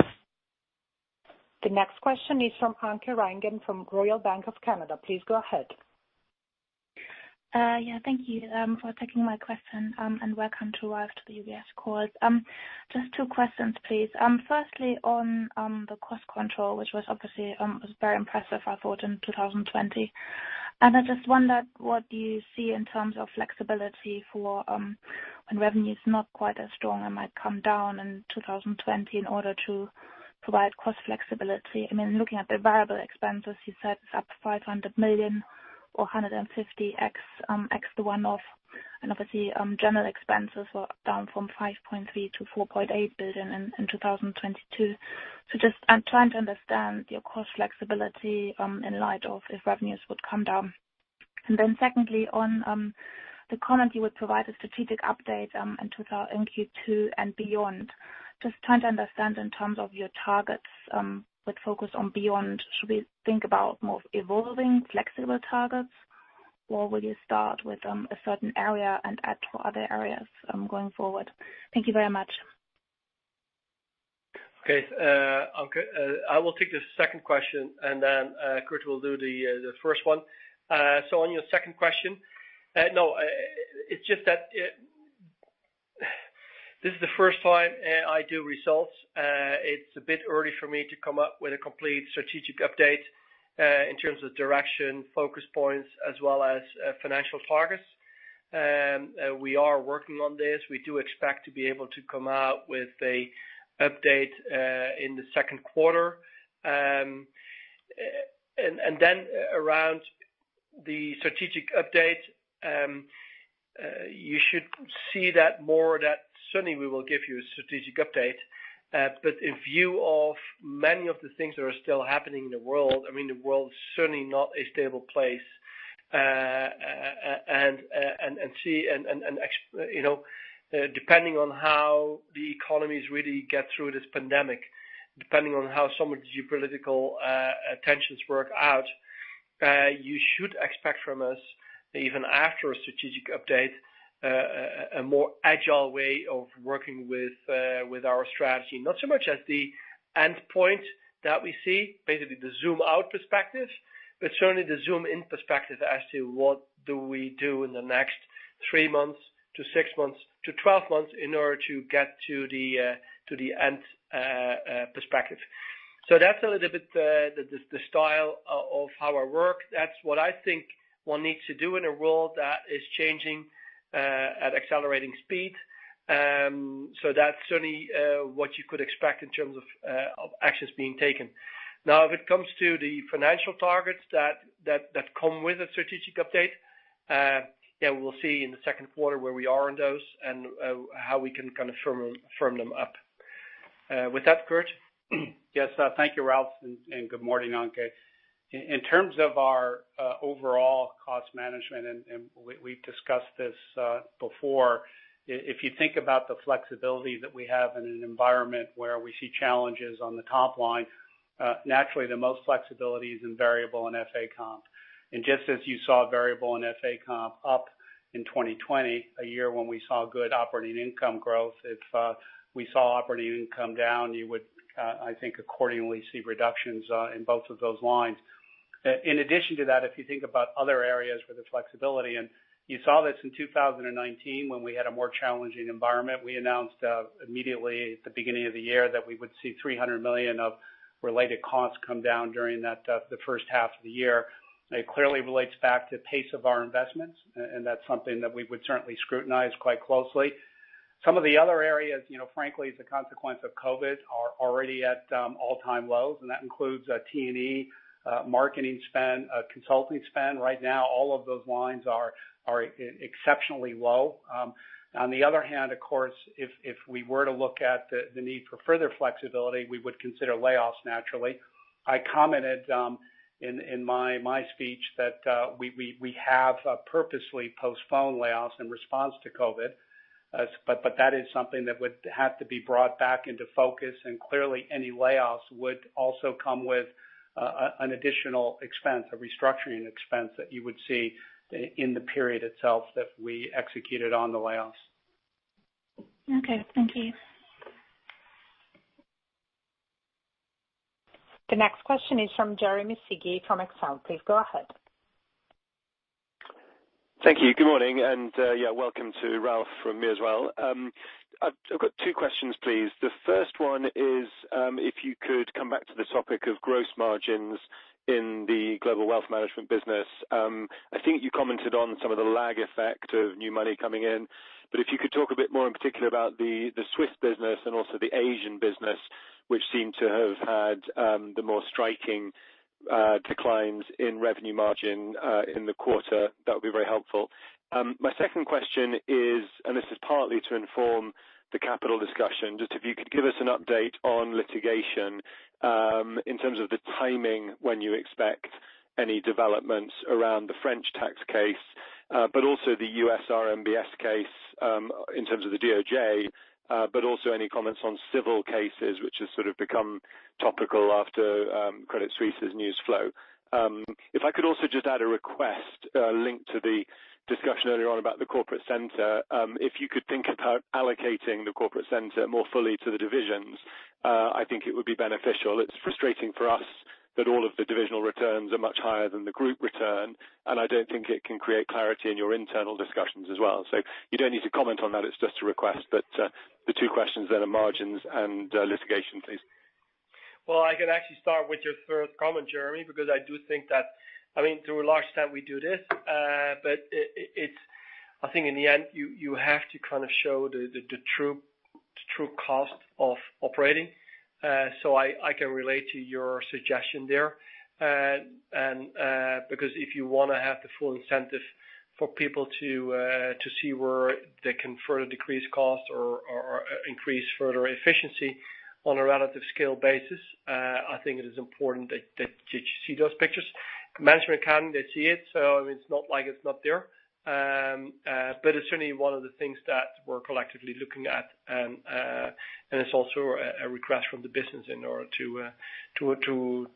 The next question is from Anke Reingen from Royal Bank of Canada. Please go ahead. Yeah. Thank you for taking my question, and welcome to the UBS call. Just two questions, please. On the cost control, which was obviously very impressive, I thought, in 2020. I just wondered what you see in terms of flexibility for when revenues not quite as strong and might come down in 2020 in order to provide cost flexibility. I mean, looking at the variable expenses, you said it's up $500 million or 150x the one-off. Obviously, general expenses were down from $5.3 billion-$4.8 billion in 2022. Just, I'm trying to understand your cost flexibility in light of if revenues would come down. Secondly, on the comment you would provide a strategic update in Q2 and beyond. Just trying to understand in terms of your targets, with focus on beyond, should we think about more evolving flexible targets, or will you start with a certain area and add to other areas going forward? Thank you very much. Anke, I will take the second question, Kirt will do the first one. On your second question, no, it's just that this is the first time I do results. It's a bit early for me to come up with a complete strategic update, in terms of direction, focus points, as well as financial targets. We are working on this. We do expect to be able to come out with a update in the second quarter. Around the strategic update, you should see that more, that certainly we will give you a strategic update. In view of many of the things that are still happening in the world, I mean, the world's certainly not a stable place. Depending on how the economies really get through this pandemic, depending on how some of the geopolitical tensions work out, you should expect from us, even after a strategic update, a more agile way of working with our strategy. Not so much as the endpoint that we see, basically the zoom-out perspective, but certainly the zoom-in perspective as to what do we do in the next three months to six months to 12 months in order to get to the end perspective. That's a little bit the style of our work. That's what I think one needs to do in a world that is changing at accelerating speed. That's certainly what you could expect in terms of actions being taken. Now, if it comes to the financial targets that come with a strategic update, we'll see in the second quarter where we are on those and how we can confirm them up. With that, Kirt? Yes. Thank you, Ralph, and good morning, Anke. In terms of our overall cost management, we've discussed this before, if you think about the flexibility that we have in an environment where we see challenges on the top line, naturally, the most flexibility is in variable and FA comp. Just as you saw variable and FA comp up in 2020, a year when we saw good operating income growth, if we saw operating income down, you would, I think, accordingly see reductions in both of those lines. In addition to that, if you think about other areas where the flexibility, you saw this in 2019, when we had a more challenging environment, we announced immediately at the beginning of the year that we would see $300 million of related costs come down during the first half of the year. It clearly relates back to pace of our investments, and that's something that we would certainly scrutinize quite closely. Some of the other areas, frankly, as a consequence of COVID, are already at all-time lows, and that includes T&E, marketing spend, consulting spend. Right now, all of those lines are exceptionally low. On the other hand, of course, if we were to look at the need for further flexibility, we would consider layoffs naturally. I commented in my speech that we have purposely postponed layoffs in response to COVID. That is something that would have to be brought back into focus, and clearly, any layoffs would also come with an additional expense, a restructuring expense that you would see in the period itself that we executed on the layoffs. Okay. Thank you. The next question is from Jeremy Sigee from Exane. Please go ahead. Thank you. Good morning. Welcome to Ralph from me as well. I've got two questions, please. The first one is, if you could come back to the topic of gross margins in the Global Wealth Management business. I think you commented on some of the lag effect of new money coming in. If you could talk a bit more in particular about the Swiss business and also the Asian business, which seem to have had the more striking declines in revenue margin in the quarter, that would be very helpful. My second question is, this is partly to inform the capital discussion, just if you could give us an update on litigation, in terms of the timing, when you expect any developments around the French tax case, but also the U.S. RMBS case, in terms of the DOJ, but also any comments on civil cases, which has sort of become topical after Credit Suisse's news flow. If I could also just add a request linked to the discussion earlier on about the corporate center. If you could think about allocating the corporate center more fully to the divisions, I think it would be beneficial. It's frustrating for us that all of the divisional returns are much higher than the group return, I don't think it can create clarity in your internal discussions as well. You don't need to comment on that. It's just a request, but the two questions then are margins and litigation, please. I can actually start with your third comment, Jeremy, because I do think that to a large extent, we do this. I think in the end, you have to show the true cost of operating. I can relate to your suggestion there. If you want to have the full incentive for people to see where they can further decrease costs or increase further efficiency on a relative scale basis, I think it is important that you see those pictures. Management can, they see it, so it's not like it's not there. It's certainly one of the things that we're collectively looking at, and it's also a request from the business in order to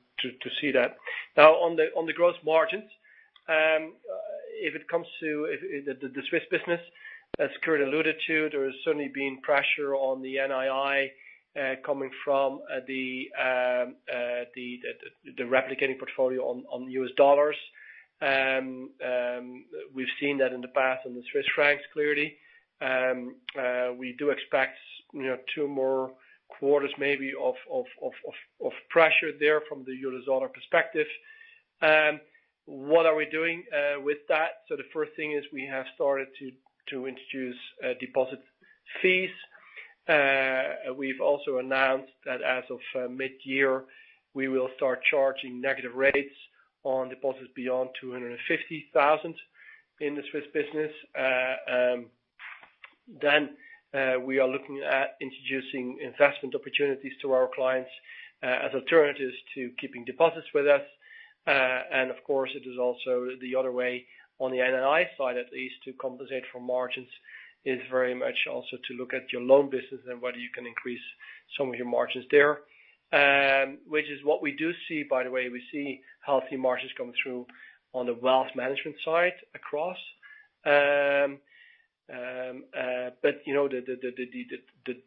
see that. On the gross margins, if it comes to the Swiss business, as Kirt alluded to, there's certainly been pressure on the NII coming from the replicating portfolio on US dollars. We've seen that in the past on the Swiss francs, clearly. We do expect two more quarters, maybe, of pressure there from the euro-dollar perspective. What are we doing with that? The first thing is we have started to introduce deposit fees. We've also announced that as of mid-year, we will start charging negative rates on deposits beyond $250,000 in the Swiss business. We are looking at introducing investment opportunities to our clients as alternatives to keeping deposits with us. Of course, it is also the other way on the NII side, at least, to compensate for margins, is very much also to look at your loan business and whether you can increase some of your margins there. Which is what we do see, by the way. We see healthy margins coming through on the Wealth Management side across. The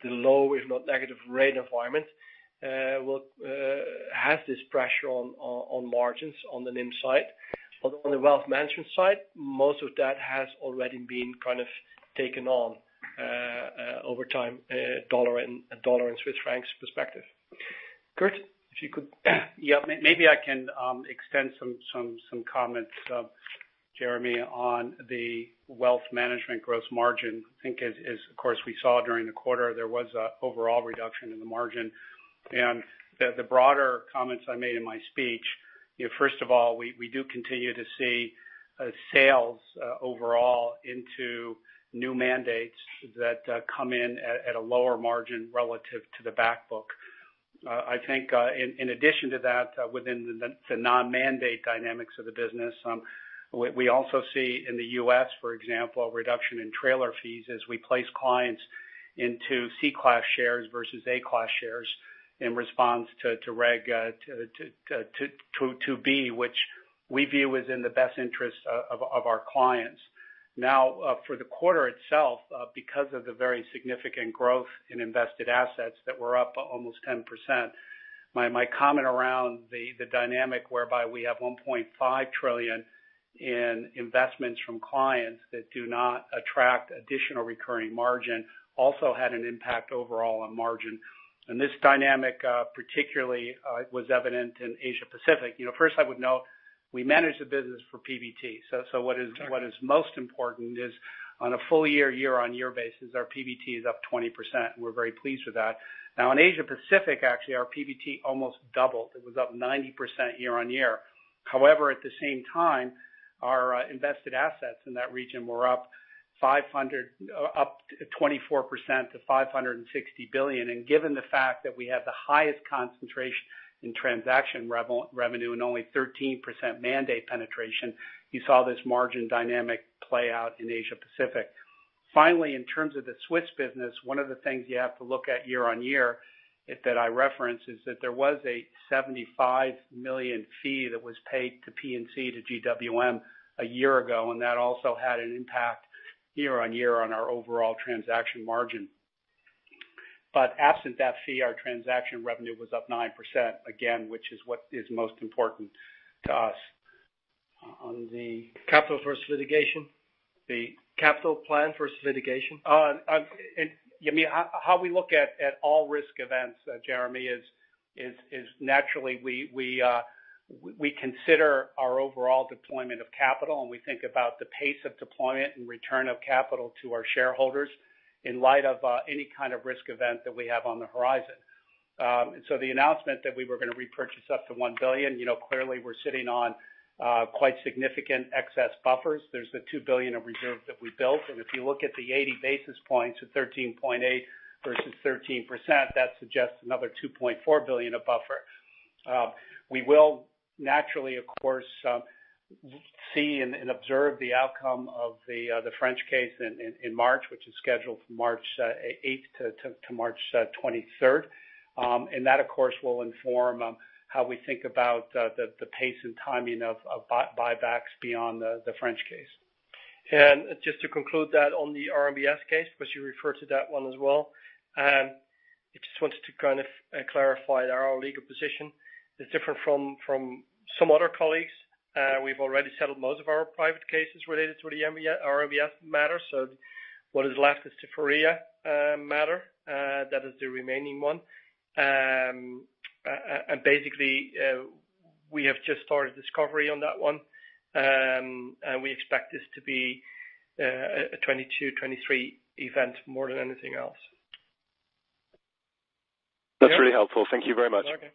low, if not negative rate environment, has this pressure on margins on the NIM side. On the Wealth Management side, most of that has already been taken on over time, US dollar and Swiss francs perspective. Kirt, if you could? Yeah. Maybe I can extend some comments, Jeremy, on the wealth management gross margin. I think as, of course, we saw during the quarter, there was an overall reduction in the margin. The broader comments I made in my speech, first of all, we do continue to see sales overall into new mandates that come in at a lower margin relative to the back book. I think in addition to that, within the non-mandate dynamics of the business, we also see in the U.S., for example, a reduction in trailer fees as we place clients into C Class shares versus A Class shares in response to Reg BI, which we view is in the best interest of our clients. For the quarter itself, because of the very significant growth in invested assets that were up almost 10%, my comment around the dynamic whereby we have $1.5 trillion in investments from clients that do not attract additional recurring margin, also had an impact overall on margin. This dynamic particularly was evident in Asia-Pacific. First I would note, we manage the business for PBT. What is most important is on a full year-on-year basis, our PBT is up 20%, and we're very pleased with that. In Asia-Pacific, actually, our PBT almost doubled. It was up 90% year-on-year. However, at the same time, our invested assets in that region were up 24% to $560 billion. Given the fact that we have the highest concentration in transaction revenue and only 13% mandate penetration, you saw this margin dynamic play out in Asia-Pacific. Finally, in terms of the Swiss business, one of the things you have to look at year-on-year that I reference is that there was a $75 million fee that was paid to P&C to GWM a year ago, and that also had an impact year-on-year on our overall transaction margin. Absent that fee, our transaction revenue was up 9%, again, which is what is most important to us. On the capital versus litigation? The capital plan versus litigation? You mean, how we look at all risk events, Jeremy, is naturally we consider our overall deployment of capital, and we think about the pace of deployment and return of capital to our shareholders in light of any kind of risk event that we have on the horizon. The announcement that we were going to repurchase up to $1 billion, clearly we're sitting on quite significant excess buffers. There's the $2 billion of reserves that we built. If you look at the 80 basis points, the 13.8% versus 13%, that suggests another $2.4 billion of buffer. We will naturally, of course, see and observe the outcome of the French tax case in March, which is scheduled from March 8 to March 23. That, of course, will inform how we think about the pace and timing of buybacks beyond the French tax case. Just to conclude that on the RMBS matter, which you refer to that one as well, I just wanted to kind of clarify that our legal position is different from some other colleagues. We've already settled most of our private cases related to the RMBS matter. What is left is the FHFA matter. That is the remaining one. Basically, we have just started discovery on that one. We expect this to be a 2022, 2023 event more than anything else. That's really helpful. Thank you very much. Okay.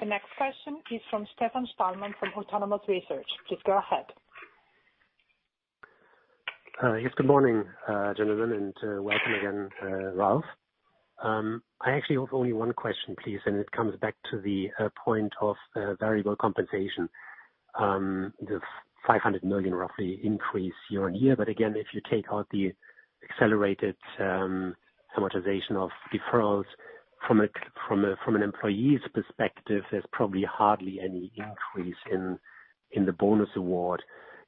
The next question is from Stefan Stalmann from Autonomous Research. Please go ahead. Yes, good morning, gentlemen, and welcome again, Ralph. I actually have only one question, please, and it comes back to the point of variable compensation. The $500 million, roughly, increase year-on-year. Again, if you take out the accelerated amortization of deferrals from an employee's perspective, there's probably hardly any increase in the bonus award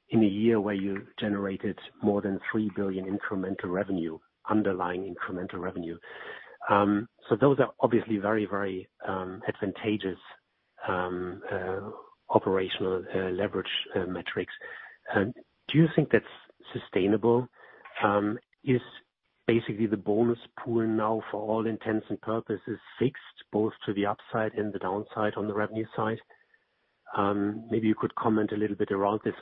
in a year where you generated more than $3 billion incremental revenue, underlying incremental revenue. Those are obviously very advantageous operational leverage metrics. Do you think that's sustainable? Is basically the bonus pool now for all intents and purposes fixed both to the upside and the downside on the revenue side? Maybe you could comment a little bit around this.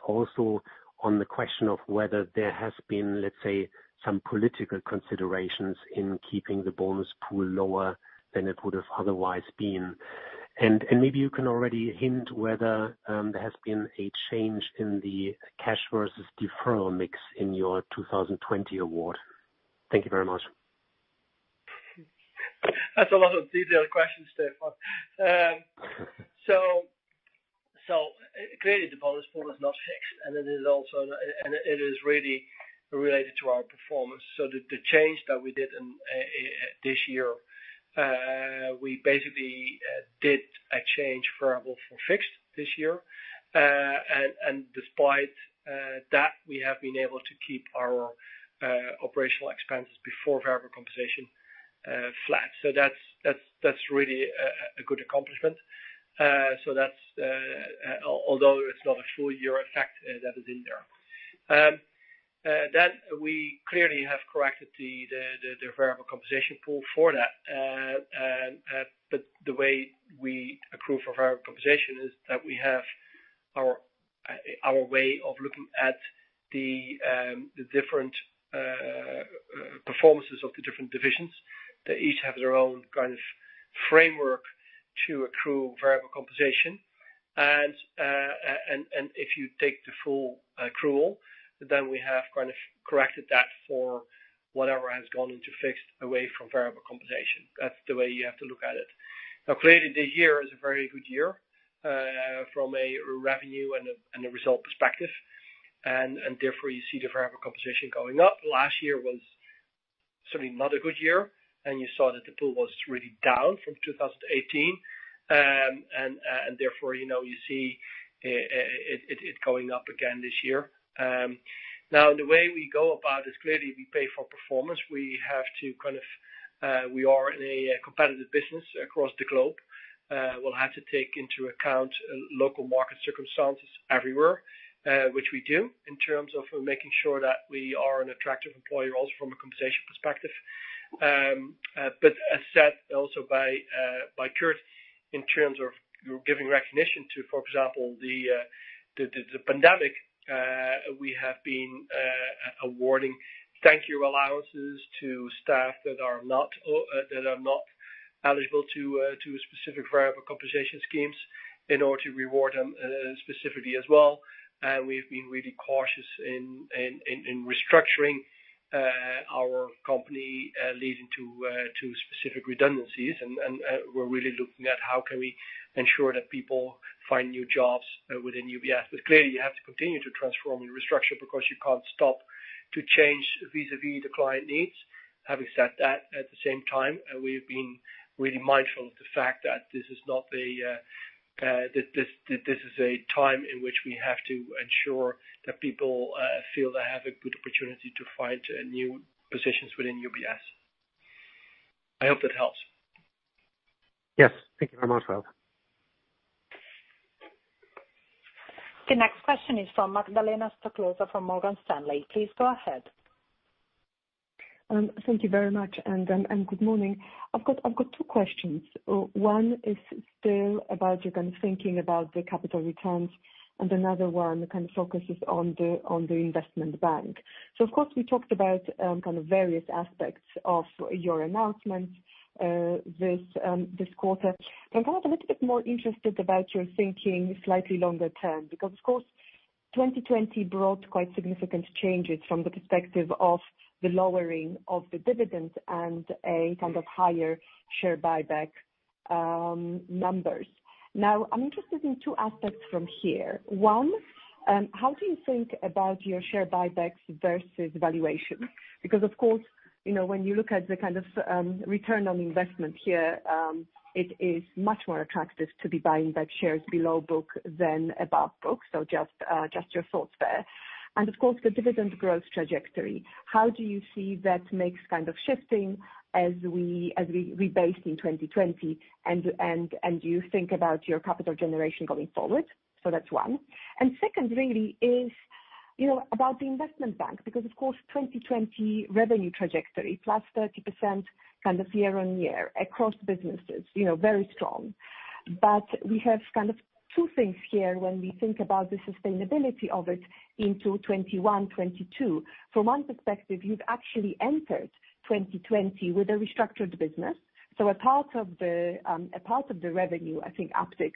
On the question of whether there has been, let's say, some political considerations in keeping the bonus pool lower than it would have otherwise been. Maybe you can already hint whether there has been a change in the cash versus deferral mix in your 2020 award. Thank you very much. That's a lot of detailed questions, Stefan. Clearly the bonus pool is not fixed, and it is really related to our performance. The change that we did this year, we basically did a change variable for fixed this year. Despite that, we have been able to keep our operational expenses before variable compensation flat. That's really a good accomplishment. Although it's not a full-year effect that is in there. We clearly have corrected the variable compensation pool for that. The way we accrue for variable compensation is that we have our way of looking at the different performances of the different divisions. They each have their own kind of framework to accrue variable compensation. If you take the full accrual, we have kind of corrected that for whatever has gone into fixed away from variable compensation. That's the way you have to look at it. Clearly, the year is a very good year, from a revenue and a result perspective, and therefore you see the variable compensation going up. Last year was certainly not a good year, and you saw that the pool was really down from 2018. Therefore, you see it going up again this year. The way we go about this, clearly, we pay for performance. We are in a competitive business across the globe. We'll have to take into account local market circumstances everywhere, which we do in terms of making sure that we are an attractive employer also from a compensation perspective. As said also by Kirt, in terms of giving recognition to, for example, the pandemic, we have been awarding thank you allowances to staff that are not eligible to specific variable compensation schemes in order to reward them specifically as well. We've been really cautious in restructuring our company, leading to specific redundancies. We're really looking at how can we ensure that people find new jobs within UBS. Clearly, you have to continue to transform and restructure because you can't stop to change vis-a-vis the client needs. Having said that, at the same time, we've been really mindful of the fact that this is a time in which we have to ensure that people feel they have a good opportunity to find new positions within UBS. I hope that helps. Yes. Thank you very much, Ralph. The next question is from Magdalena Stoklosa from Morgan Stanley. Please go ahead. Thank you very much, and good morning. I've got two questions. One is still about your thinking about the capital returns, and another one kind of focuses on the Investment Bank. Of course, we talked about kind of various aspects of your announcement this quarter. I'm a little bit more interested about your thinking slightly longer term, because, of course, 2020 brought quite significant changes from the perspective of the lowering of the dividends and a kind of higher share buyback numbers. Now, I'm interested in two aspects from here. One, how do you think about your share buybacks versus valuation? Of course, when you look at the kind of return on investment here, it is much more attractive to be buying back shares below book than above book. Just your thoughts there. Of course, the dividend growth trajectory. How do you see that mix kind of shifting as we rebased in 2020? Do you think about your capital generation going forward? That's one. Second really is about the Investment Bank, because of course, 2020 revenue trajectory, +30% kind of year-over-year across businesses, very strong. We have kind of two things here when we think about the sustainability of it into 2021, 2022. From one perspective, you've actually entered 2020 with a restructured business. A part of the revenue, I think, uptick,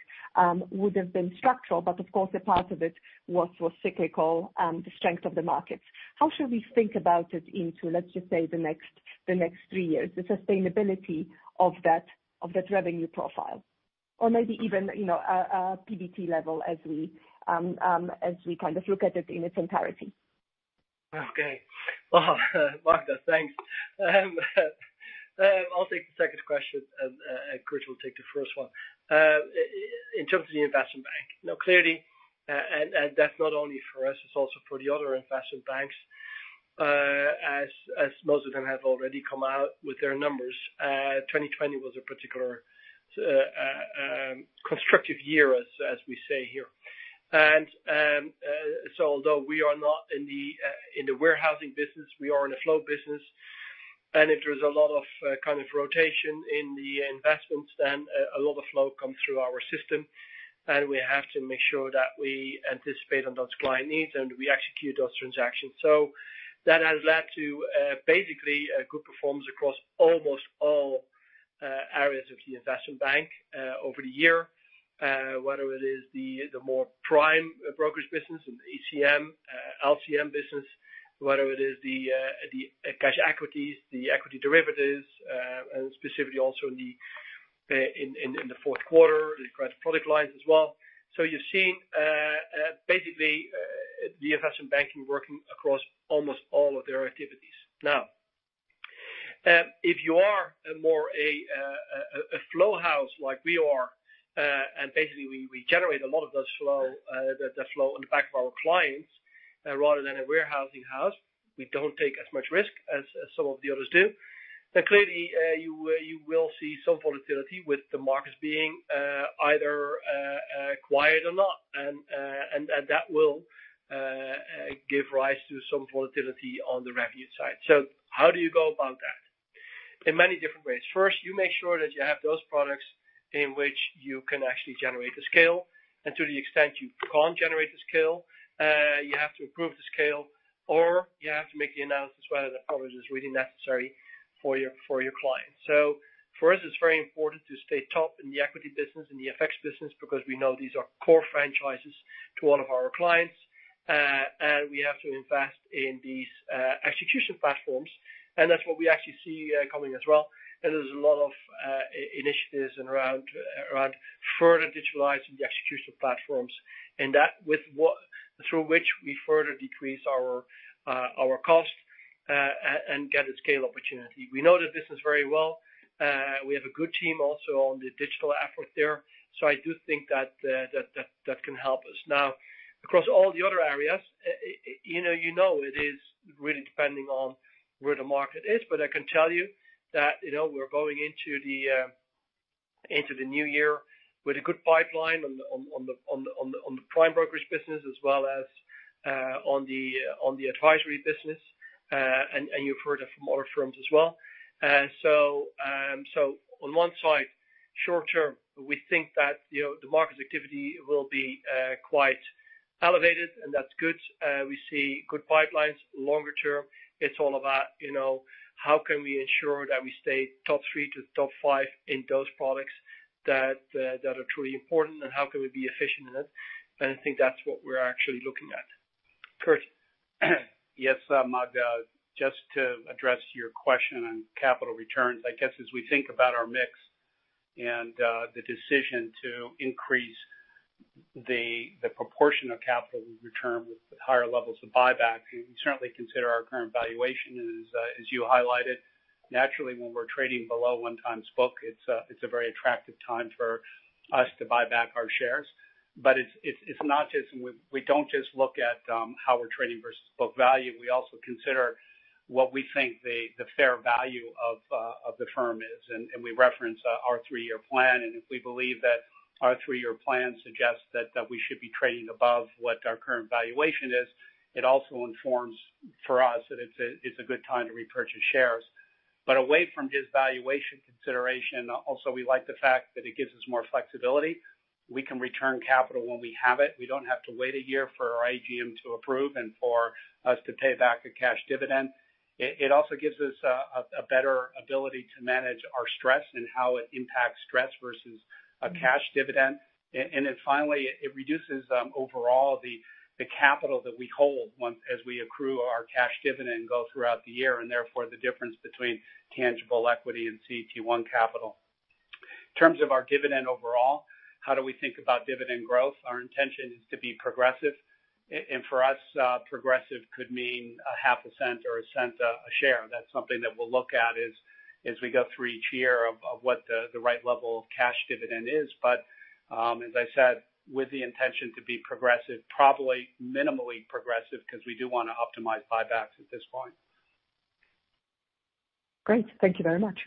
would have been structural, but of course, a part of it was cyclical, the strength of the markets. How should we think about it into, let's just say, the next three years, the sustainability of that revenue profile, or maybe even a PBT level as we kind of look at it in its entirety? Okay. Magda, thanks. I'll take the second question, and Kirt will take the first one. In terms of the Investment Bank, now clearly, and that's not only for us, it's also for the other investment banks, as most of them have already come out with their numbers, 2020 was a particular constructive year, as we say here. Although we are not in the warehousing business, we are in a flow business, and if there's a lot of kind of rotation in the investments, then a lot of flow comes through our system, and we have to make sure that we anticipate on those client needs and we execute those transactions. That has led to basically a good performance across almost all areas of the Investment Bank over the year, whether it is the more prime brokerage business and the ECM, LCM business, whether it is the cash equities, the equity derivatives, and specifically also in the fourth quarter, the credit product lines as well. You're seeing basically the Investment Banking working across almost all of their activities. If you are a more a flow house like we are, and basically we generate a lot of the flow on the back of our clients rather than a warehousing house, we don't take as much risk as some of the others do. Clearly, you will see some volatility with the markets being either quiet or not. That will give rise to some volatility on the revenue side. How do you go about that? In many different ways. First, you make sure that you have those products in which you can actually generate the scale, and to the extent you can't generate the scale, you have to improve the scale, or you have to make the analysis whether the coverage is really necessary for your clients. For us, it's very important to stay top in the equity business, in the FX business, because we know these are core franchises to all of our clients. We have to invest in these execution platforms. That's what we actually see coming as well. There's a lot of initiatives around further digitalizing the execution platforms and that through which we further decrease our cost, and get a scale opportunity. We know the business very well. We have a good team also on the digital effort there. I do think that can help us. Now, across all the other areas, you know it is really depending on where the market is, but I can tell you that we're going into the new year with a good pipeline on the prime brokerage business as well as on the advisory business. You've heard it from other firms as well. On one side, short-term, we think that the market activity will be quite elevated, and that's good. We see good pipelines longer-term. It's all about how can we ensure that we stay top three to top five in those products that are truly important, and how can we be efficient in it. I think that's what we're actually looking at. Kirt? Yes, Magda, just to address your question on capital returns, I guess as we think about our mix and the decision to increase the proportion of capital we return with higher levels of buyback, we certainly consider our current valuation as you highlighted. Naturally, when we're trading below 1x book, it's a very attractive time for us to buy back our shares. We don't just look at how we're trading versus book value. We also consider what we think the fair value of the firm is, and we reference our three-year plan. If we believe that our three-year plan suggests that we should be trading above what our current valuation is, it also informs for us that it's a good time to repurchase shares. Away from this valuation consideration, also, we like the fact that it gives us more flexibility. We can return capital when we have it. We don't have to wait one year for our AGM to approve and for us to pay back a cash dividend. It also gives us a better ability to manage our stress and how it impacts stress versus a cash dividend. Finally, it reduces, overall, the capital that we hold as we accrue our cash dividend go throughout the year, and therefore, the difference between tangible equity and CET1 capital. In terms of our dividend overall, how do we think about dividend growth? Our intention is to be progressive. For us, progressive could mean $0.005 or $0.01 a share. That's something that we'll look at as we go through each year of what the right level of cash dividend is. As I said, with the intention to be progressive, probably minimally progressive, because we do want to optimize buybacks at this point. Great. Thank you very much.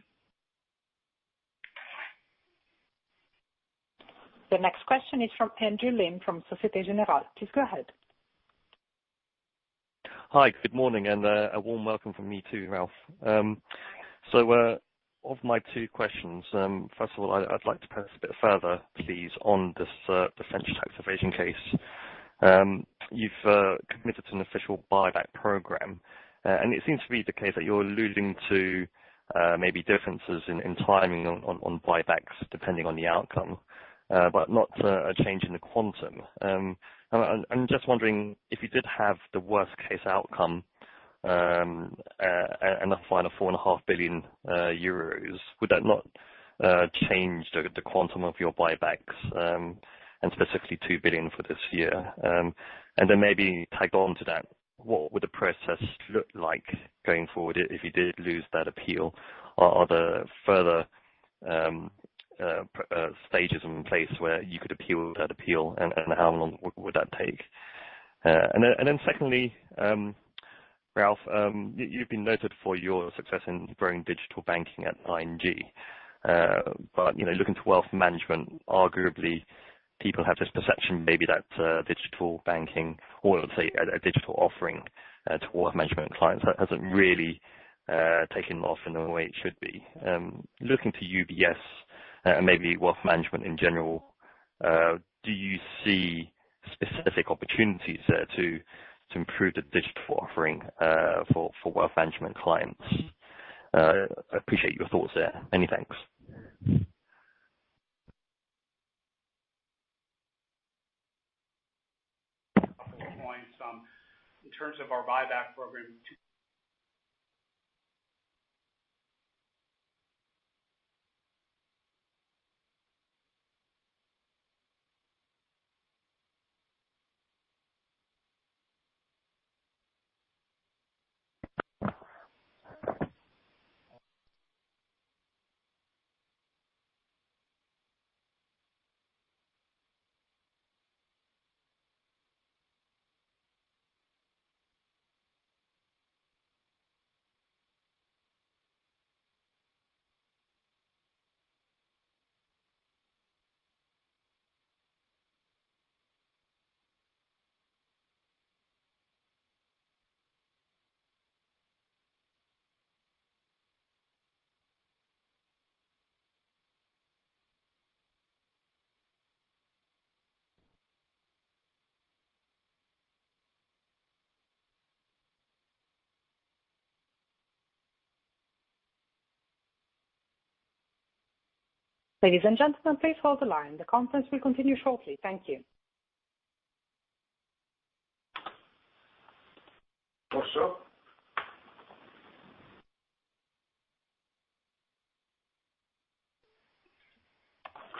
The next question is from Andrew Lim from Société Générale. Please go ahead. Hi, good morning, and a warm welcome from me too, Ralph. Of my two questions, first of all, I'd like to press a bit further, please, on this French tax case. You've committed to an official buyback program. It seems to be the case that you're alluding to maybe differences in timing on buybacks depending on the outcome, but not a change in the quantum. I'm just wondering if you did have the worst-case outcome and a fine of 4.5 billion euros, would that not change the quantum of your buybacks, and specifically $2 billion for this year? Then maybe tag on to that, what would the process look like going forward if you did lose that appeal? Are there further stages in place where you could appeal that appeal, and how long would that take? Secondly, Ralph, you've been noted for your success in growing digital banking at ING. Looking to wealth management, arguably, people have this perception maybe that digital banking or, let's say, a digital offering to wealth management clients hasn't really taken off in the way it should be. Looking to UBS and maybe wealth management in general, do you see specific opportunities there to improve the digital offering for wealth management clients? I appreciate your thoughts there. Many thanks. A couple of points. In terms of our buyback program. Ladies and gentlemen, please hold the line. The conference will continue shortly. Thank you.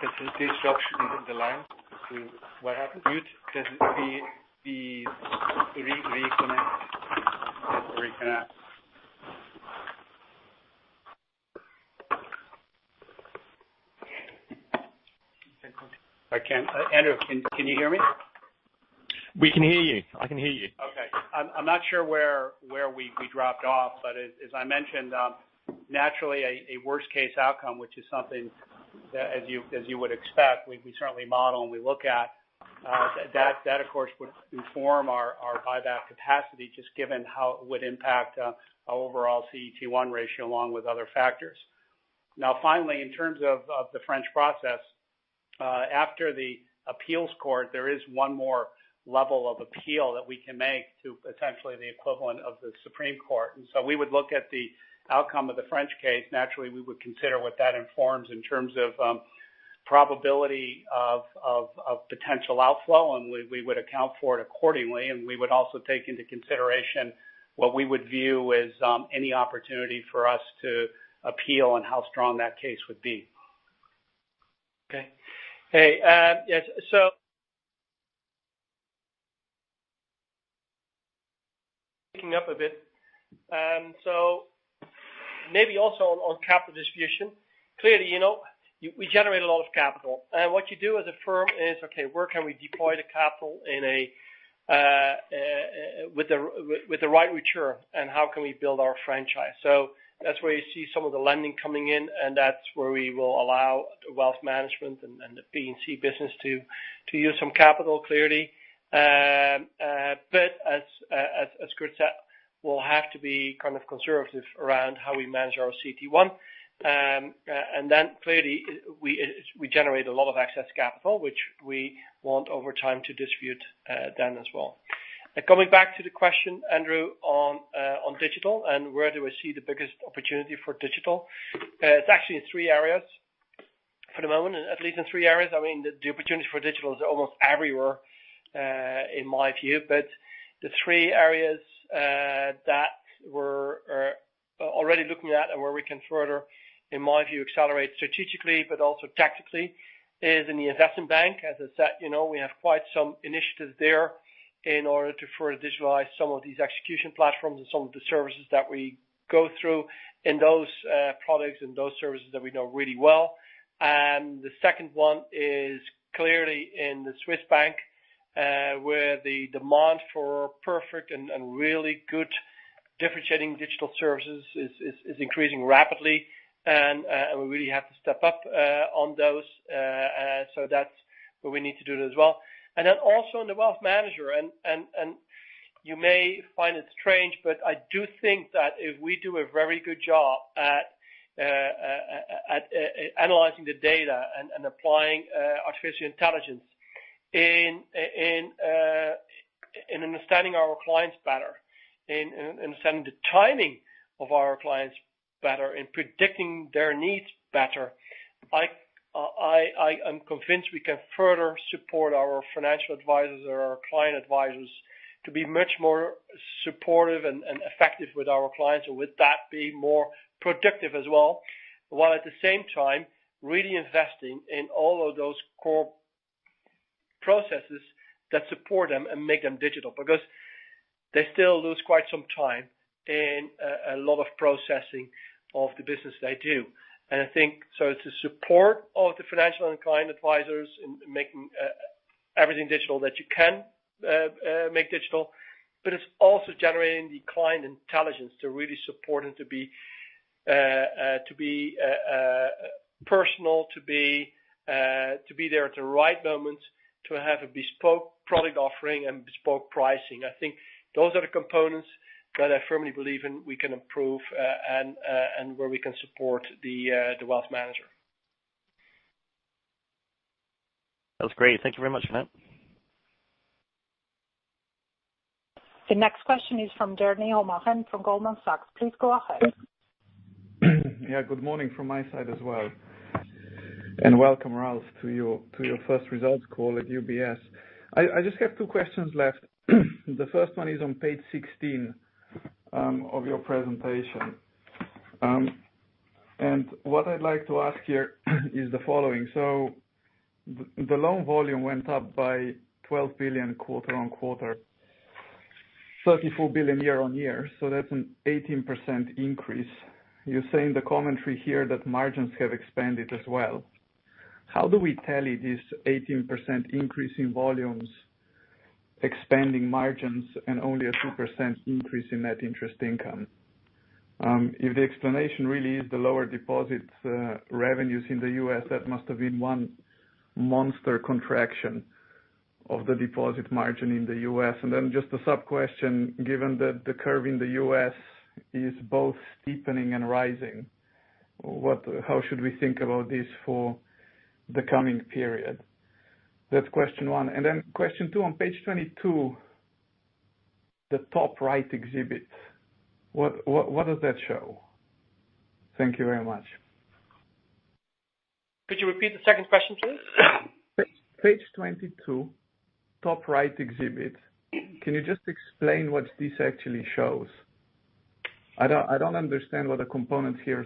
There's a disruption in the line. What happened? Mute? There's the reconnect. I can Andrew, can you hear me? We can hear you. I can hear you. I'm not sure where we dropped off. As I mentioned, naturally a worst-case outcome, which is something, as you would expect, we certainly model and we look at, that of course would inform our buyback capacity, just given how it would impact our overall CET1 ratio along with other factors. Finally, in terms of the French process, after the appeals court, there is one more level of appeal that we can make to potentially the equivalent of the Supreme Court. We would look at the outcome of the French case. Naturally, we would consider what that informs in terms of probability of potential outflow. We would account for it accordingly. We would also take into consideration what we would view as any opportunity for us to appeal and how strong that case would be. Okay. Hey, yes, picking up a bit. Maybe also on capital distribution. Clearly, we generate a lot of capital. What you do as a firm is, okay, where can we deploy the capital with the right return, and how can we build our franchise? That's where you see some of the lending coming in, and that's where we will allow Global Wealth Management and the P&C business to use some capital, clearly. As Kirt said, we'll have to be kind of conservative around how we manage our CET1. Clearly, we generate a lot of excess capital, which we want over time to distribute then as well. Coming back to the question, Andrew, on digital and where do we see the biggest opportunity for digital. It's actually in three areas for the moment, at least in three areas. I mean, the opportunity for digital is almost everywhere, in my view. The three areas that we're already looking at and where we can further, in my view, accelerate strategically but also tactically, is in the investment bank. As I said, we have quite some initiatives there in order to further digitalize some of these execution platforms and some of the services that we go through in those products and those services that we know really well. The second one is clearly in the Swiss Bank, where the demand for perfect and really good differentiating digital services is increasing rapidly, and we really have to step up on those. That's what we need to do as well. Then also in Global Wealth Management, and you may find it strange, but I do think that if we do a very good job at analyzing the data and applying artificial intelligence in understanding our clients better, in understanding the timing of our clients better, in predicting their needs better, I am convinced we can further support our financial advisors or our client advisors to be much more supportive and effective with our clients, and with that, be more productive as well. While at the same time really investing in all of those core processes that support them and make them digital. Because they still lose quite some time in a lot of processing of the business they do. I think, so to support all the financial and client advisors in making everything digital that you can make digital, but it's also generating the client intelligence to really support and to be personal, to be there at the right moment, to have a bespoke product offering and bespoke pricing. I think those are the components that I firmly believe in we can improve, and where we can support the wealth manager. That's great. Thank you very much for that. The next question is from Jernej Omahen from Goldman Sachs. Please go ahead. Yeah, good morning from my side as well. Welcome, Ralph, to your first results call at UBS. I just have two questions left. The first one is on page 16 of your presentation. What I'd like to ask here is the following. The loan volume went up by $12 billion quarter-over-quarter, $34 billion year-over-year. That's an 18% increase. You say in the commentary here that margins have expanded as well. How do we tally this 18% increase in volumes, expanding margins, and only a 2% increase in net interest income? If the explanation really is the lower deposits revenues in the U.S., that must have been one monster contraction of the deposit margin in the U.S. Then just a sub-question, given that the curve in the U.S. is both steepening and rising, how should we think about this for the coming period? That's question one. Question two, on page 22, the top right exhibit. What does that show? Thank you very much. Could you repeat the second question, please? Page 22, top right exhibit. Can you just explain what this actually shows? I don't understand what the components here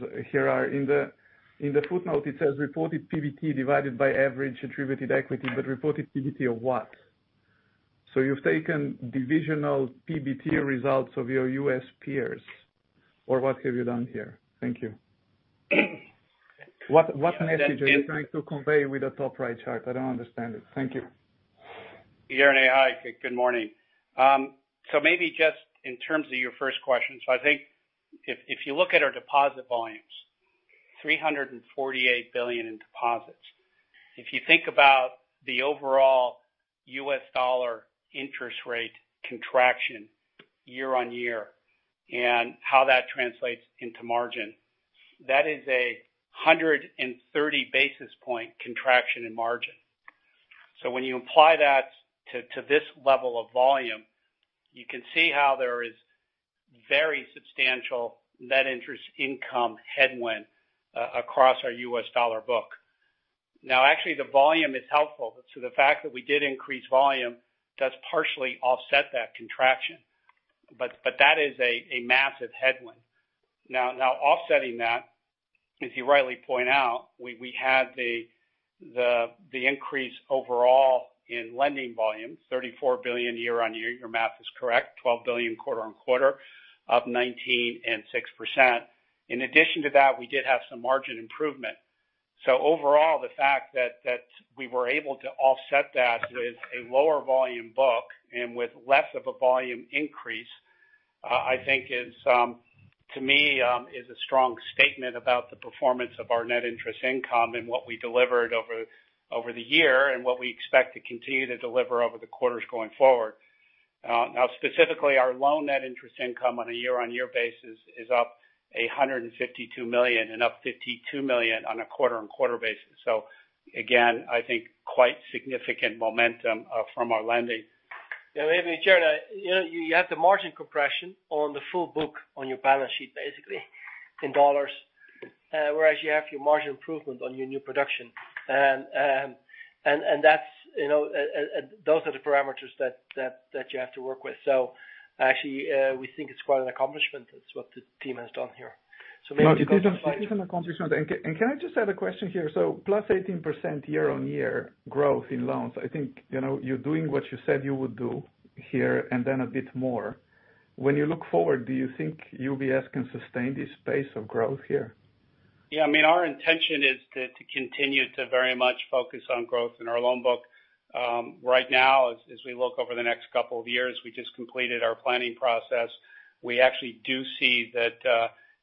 are. In the footnote, it says reported PBT divided by average attributed equity, but reported PBT of what? You've taken divisional PBT results of your U.S. peers, or what have you done here? Thank you. What message are you trying to convey with the top right chart? I don't understand it. Thank you. Jernej, hi. Good morning. Maybe just in terms of your first question. I think if you look at our deposit volumes, $348 billion in deposits. If you think about the overall U.S. dollar interest rate contraction year-on-year and how that translates into margin, that is a 130 basis point contraction in margin. When you apply that to this level of volume, you can see how there is very substantial net interest income headwind across our U.S. dollar book. Actually, the volume is helpful. The fact that we did increase volume does partially offset that contraction. That is a massive headwind. Offsetting that, as you rightly point out, we had the increase overall in lending volume, $34 billion year-on-year. Your math is correct. $12 billion quarter-on-quarter, up 19% and 6%. In addition to that, we did have some margin improvement. Overall, the fact that we were able to offset that with a lower volume book and with less of a volume increase, I think is, to me, is a strong statement about the performance of our net interest income and what we delivered over the year and what we expect to continue to deliver over the quarters going forward. Specifically, our loan net interest income on a year-on-year basis is up $152 million and up $52 million on a quarter-on-quarter basis. Again, I think quite significant momentum from our lending. Yeah. Maybe Jernej, you have the margin compression on the full book on your balance sheet, basically in dollars, whereas you have your margin improvement on your new production. Those are the parameters that you have to work with. Actually, we think it's quite an accomplishment, is what the team has done here. No, it is an accomplishment. Can I just add a question here? Plus 18% year-on-year growth in loans. I think you're doing what you said you would do here and then a bit more. When you look forward, do you think UBS can sustain this pace of growth here? Yeah. Our intention is to continue to very much focus on growth in our loan book. Right now, as we look over the next couple of years, we just completed our planning process. We actually do see that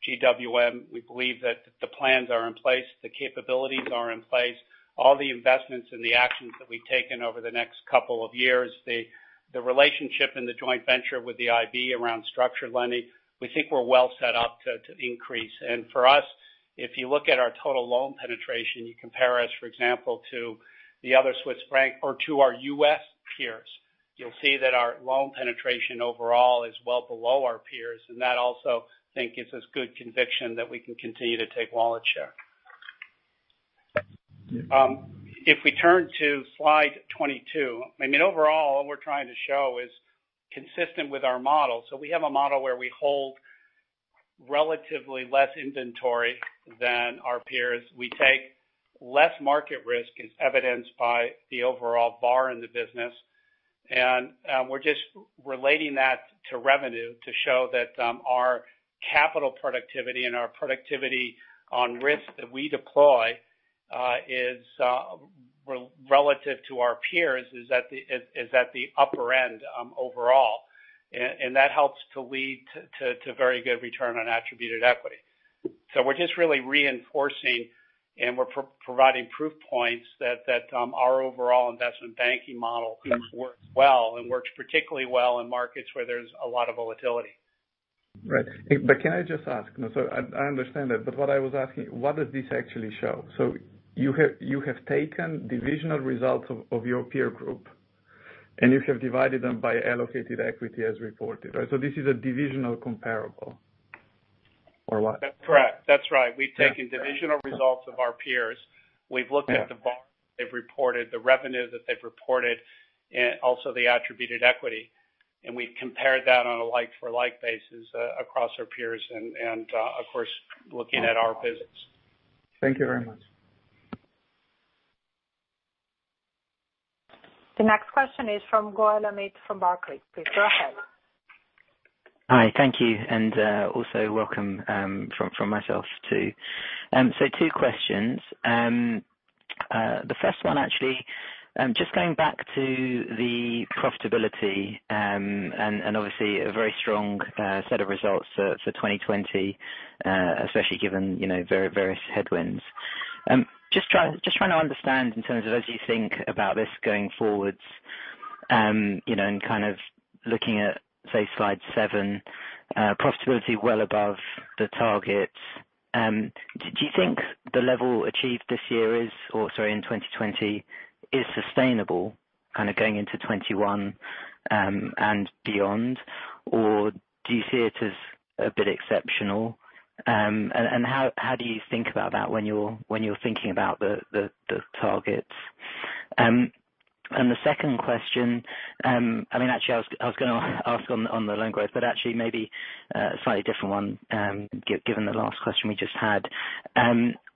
GWM, we believe that the plans are in place, the capabilities are in place, all the investments and the actions that we've taken over the next couple of years, the relationship in the joint venture with the IB around structured lending. We think we're well set up to increase. For us, if you look at our total loan penetration, you compare us, for example, to the other Swiss bank or to our U.S. peers, you'll see that our loan penetration overall is well below our peers, and that also I think gives us good conviction that we can continue to take wallet share. If we turn to slide 22, overall, what we're trying to show is consistent with our model. We have a model where we hold relatively less inventory than our peers. We take less market risk as evidenced by the overall VaR in the business. We're just relating that to revenue to show that our capital productivity and our productivity on risk that we deploy is relative to our peers, is at the upper end overall. That helps to lead to very good return on attributed equity. We're just really reinforcing, and we're providing proof points that our overall investment banking model works well and works particularly well in markets where there's a lot of volatility. Right. Can I just ask? I understand that, but what I was asking, what does this actually show? You have taken divisional results of your peer group, and you have divided them by allocated equity as reported. This is a divisional comparable. Or what? That's correct. That's right. We've taken divisional results of our peers. We've looked at the VaR they've reported, the revenue that they've reported, and also the attributed equity, and we've compared that on a like for like basis across our peers and of course, looking at our business. Thank you very much. The next question is from Amit Goel from Barclays. Please go ahead. Hi. Thank you, and also welcome from myself, too. Two questions. The first one, actually, just going back to the profitability and obviously a very strong set of results for 2020, especially given various headwinds. Just trying to understand in terms of as you think about this going forward, and looking at, say, slide seven, profitability well above the target. Do you think the level achieved this year, or sorry, in 2020, is sustainable going into 2021 and beyond, or do you see it as a bit exceptional? How do you think about that when you're thinking about the targets? The second question, actually, I was going to ask on the loan growth, but actually maybe a slightly different one, given the last question we just had.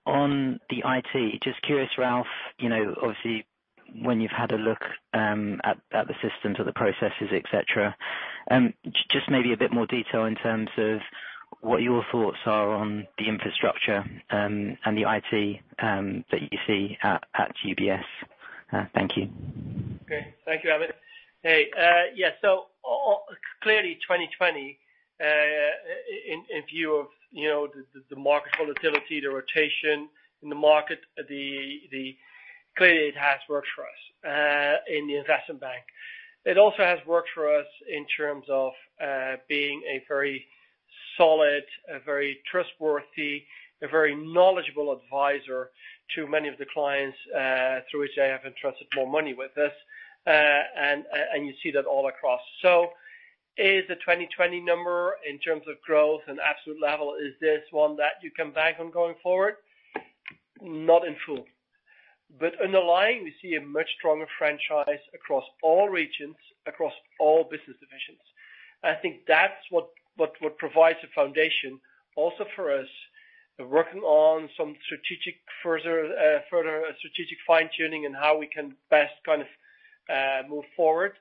On the IT, just curious, Ralph, obviously when you've had a look at the systems or the processes, et cetera, just maybe a bit more detail in terms of what your thoughts are on the infrastructure and the IT that you see at UBS. Thank you. Okay. Thank you, Amit. Hey. Yeah. Clearly 2020, in view of the market volatility, the rotation in the market, clearly it has worked for us in the Investment Bank. It also has worked for us in terms of being a very solid, a very trustworthy, a very knowledgeable advisor to many of the clients, through which they have entrusted more money with us. You see that all across. Is the 2020 number, in terms of growth and absolute level, is this one that you can bank on going forward? Not in full, but underlying, we see a much stronger franchise across all regions, across all business divisions. I think that's what provides a foundation also for us working on some further strategic fine-tuning in how we can best move forward.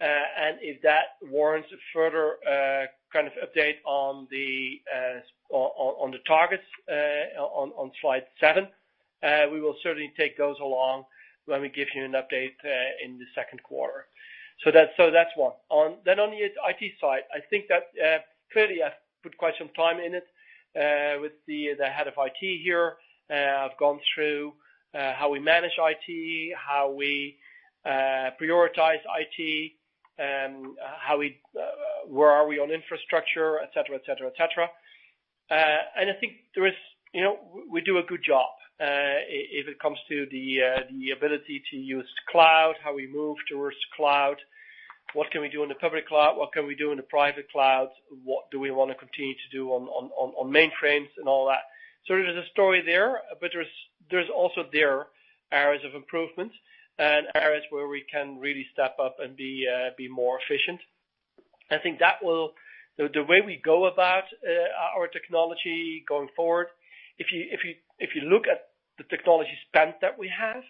If that warrants a further update on the targets on slide seven, we will certainly take those along when we give you an update in the second quarter. That's one. On the IT side, I think that clearly I've put quite some time in it with the head of IT here. I've gone through how we manage IT, how we prioritize IT, where are we on infrastructure, et cetera. I think we do a good job if it comes to the ability to use cloud, how we move towards cloud, what can we do in the public cloud, what can we do in the private cloud, what do we want to continue to do on mainframes and all that. There's a story there, but there's also there areas of improvement and areas where we can really step up and be more efficient. I think the way we go about our technology going forward, if you look at the technology spend that we have,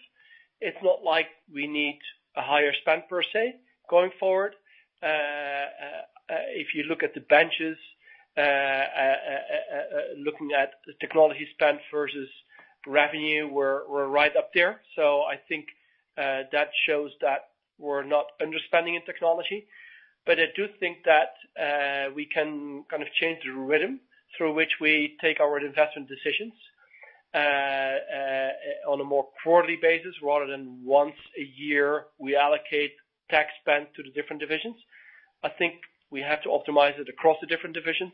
it's not like we need a higher spend per se going forward. If you look at the benches, looking at the technology spend versus revenue, we're right up there. I think that shows that we're not underspending in technology. I do think that we can change the rhythm through which we take our investment decisions on a more quarterly basis rather than once a year we allocate tech spend to the different divisions. I think we have to optimize it across the different divisions.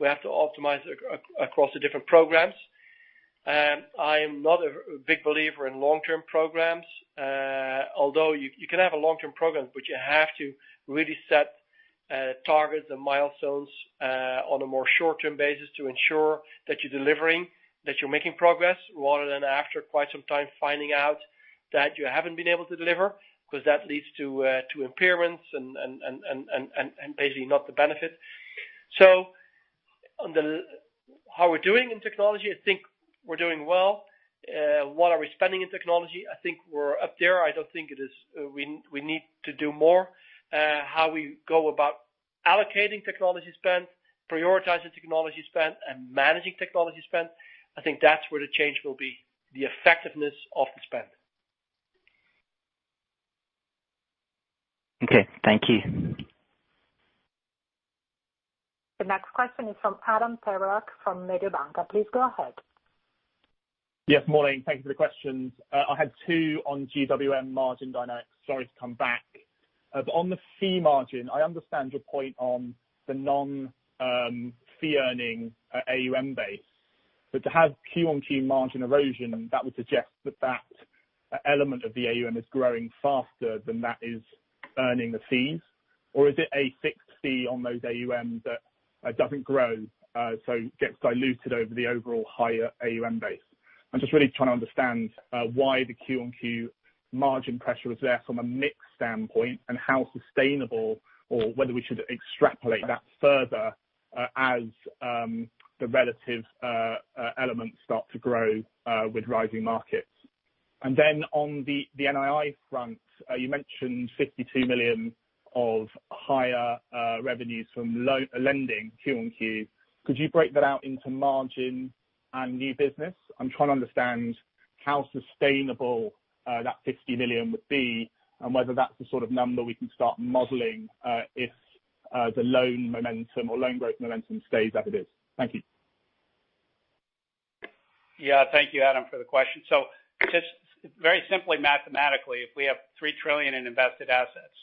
We have to optimize across the different programs. I'm not a big believer in long-term programs. You can have a long-term program, but you have to really set targets and milestones on a more short-term basis to ensure that you're delivering, that you're making progress, rather than after quite some time finding out that you haven't been able to deliver, because that leads to impairments and basically not the benefit. On how we're doing in technology, I think we're doing well. What are we spending in technology? I think we're up there. I don't think we need to do more. How we go about allocating technology spend, prioritizing technology spend, and managing technology spend, I think that's where the change will be, the effectiveness of the spend. Okay. Thank you. The next question is from Adam Terelak from Mediobanca. Please go ahead. Yes, morning. Thank you for the questions. I had two on GWM margin dynamics. Sorry to come back. On the fee margin, I understand your point on the non-fee-earning AUM base. To have Q-on-Q margin erosion, that would suggest that that element of the AUM is growing faster than that is earning the fees. Is it a fixed fee on those AUM that doesn't grow, so gets diluted over the overall higher AUM base? I'm just really trying to understand why the Q-on-Q margin pressure is there from a mix standpoint and how sustainable or whether we should extrapolate that further as the relative elements start to grow with rising markets. On the NII front, you mentioned $52 million of higher revenues from lending Q-on-Q. Could you break that out into margin and new business? I'm trying to understand how sustainable that $50 million would be and whether that's the sort of number we can start modeling if the loan momentum or loan growth momentum stays as it is. Thank you. Yeah. Thank you, Adam, for the question. Just very simply mathematically, if we have $3 trillion in invested assets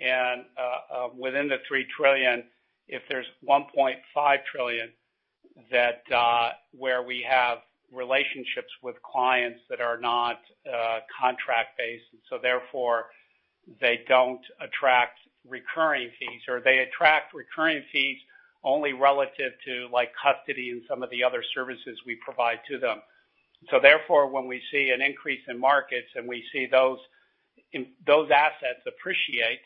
and within the $3 trillion, if there's $1.5 trillion where we have relationships with clients that are not contract-based, therefore they don't attract recurring fees or they attract recurring fees only relative to custody and some of the other services we provide to them. Therefore, when we see an increase in markets and we see those assets appreciate,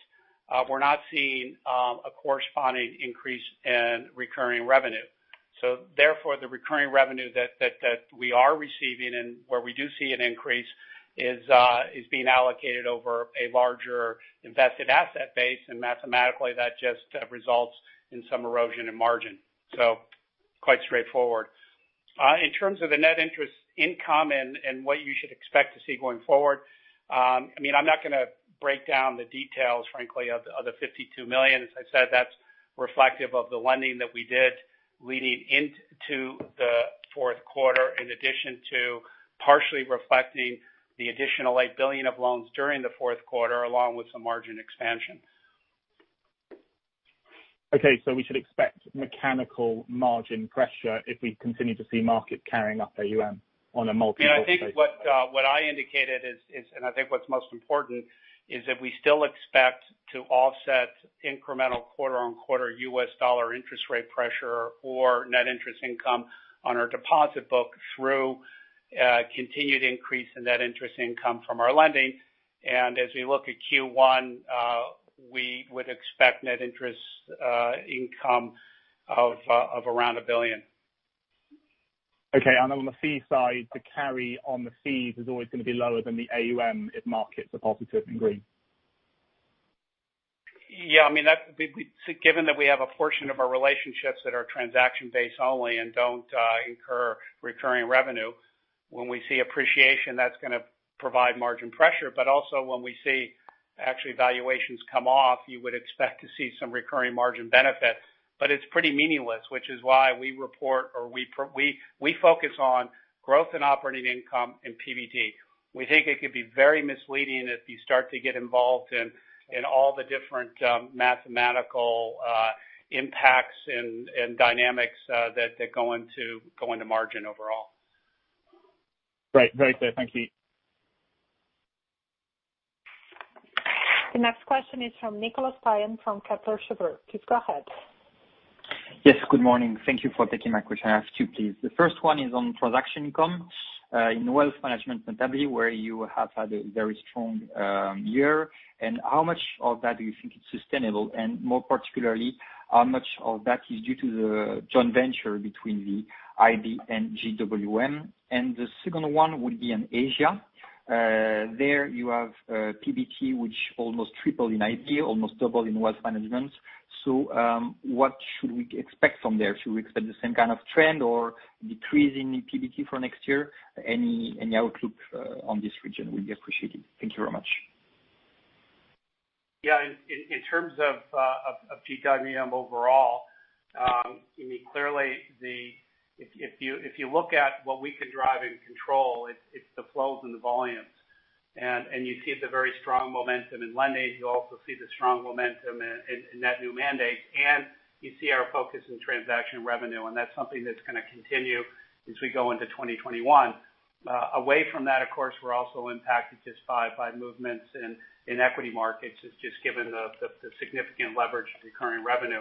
we're not seeing a corresponding increase in recurring revenue. Therefore, the recurring revenue that we are receiving and where we do see an increase is being allocated over a larger invested asset base, and mathematically, that just results in some erosion in margin. Quite straightforward. In terms of the net interest income and what you should expect to see going forward, I'm not going to break down the details, frankly, of the $52 million. As I said, that's reflective of the lending that we did leading into the fourth quarter, in addition to partially reflecting the additional $8 billion of loans during the fourth quarter, along with some margin expansion. Okay. We should expect mechanical margin pressure if we continue to see market carrying up AUM on a multi-quarter. I think what I indicated is, and I think what's most important, is that we still expect to offset incremental quarter-on-quarter U.S. dollar interest rate pressure or net interest income on our deposit book through continued increase in net interest income from our lending. As we look at Q1, we would expect net interest income of around $1 billion. Okay. On the fee side, the carry on the fees is always going to be lower than the AUM if markets are positive in green. Yeah, given that we have a portion of our relationships that are transaction-based only and don't incur recurring revenue, when we see appreciation, that's going to provide margin pressure. Also when we see actually valuations come off, you would expect to see some recurring margin benefit. It's pretty meaningless, which is why we report or we focus on growth in operating income and PBT. We think it could be very misleading if you start to get involved in all the different mathematical impacts and dynamics that go into margin overall. Right. Very clear. Thank you. The next question is from Nicolas Payen from Kepler Cheuvreux. Please go ahead. Yes, good morning. Thank you for taking my question. I have two, please. The first one is on transaction income, in wealth management notably, where you have had a very strong year. How much of that do you think is sustainable? More particularly, how much of that is due to the joint venture between the IB and GWM? The second one would be in Asia. There you have PBT, which almost triple in IB, almost double in wealth management. What should we expect from there? Should we expect the same kind of trend or decrease in PBT for next year? Any outlook on this region will be appreciated. Thank you very much. Yeah. In terms of GWM overall, clearly if you look at what we can drive and control, it's the flows and the volumes. You see the very strong momentum in lending. You also see the strong momentum in that new mandate, and you see our focus in transaction revenue, and that's something that's going to continue as we go into 2021. Away from that, of course, we're also impacted just by movements in equity markets, just given the significant leverage of recurring revenue.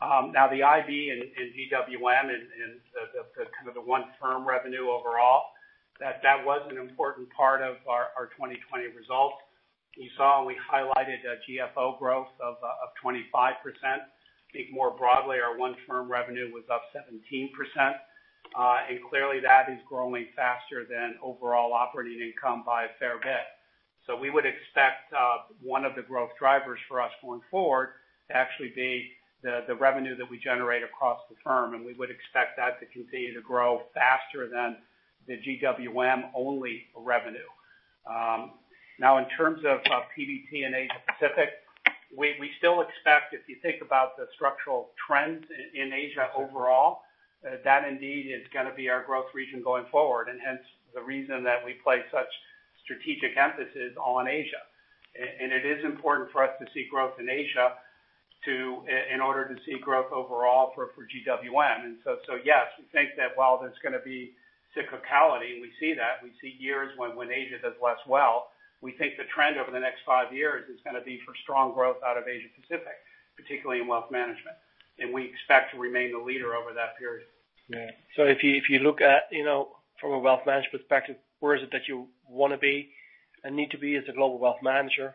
The IB and GWM and the one firm revenue overall, that was an important part of our 2020 result. You saw we highlighted a GFO growth of 25%. I think more broadly, our one firm revenue was up 17%, and clearly that is growing faster than overall operating income by a fair bit. We would expect one of the growth drivers for us going forward to actually be the revenue that we generate across the firm, and we would expect that to continue to grow faster than the GWM-only revenue. In terms of PBT in Asia-Pacific, we still expect if you think about the structural trends in Asia overall, that indeed is going to be our growth region going forward, and hence the reason that we place such strategic emphasis on Asia. It is important for us to see growth in Asia in order to see growth overall for GWM. Yes, we think that while there's going to be cyclicality, and we see that, we see years when Asia does less well, we think the trend over the next five years is going to be for strong growth out of Asia-Pacific, particularly in wealth management. We expect to remain the leader over that period. Yeah. If you look at from a wealth management perspective, where is it that you want to be and need to be as a global wealth manager?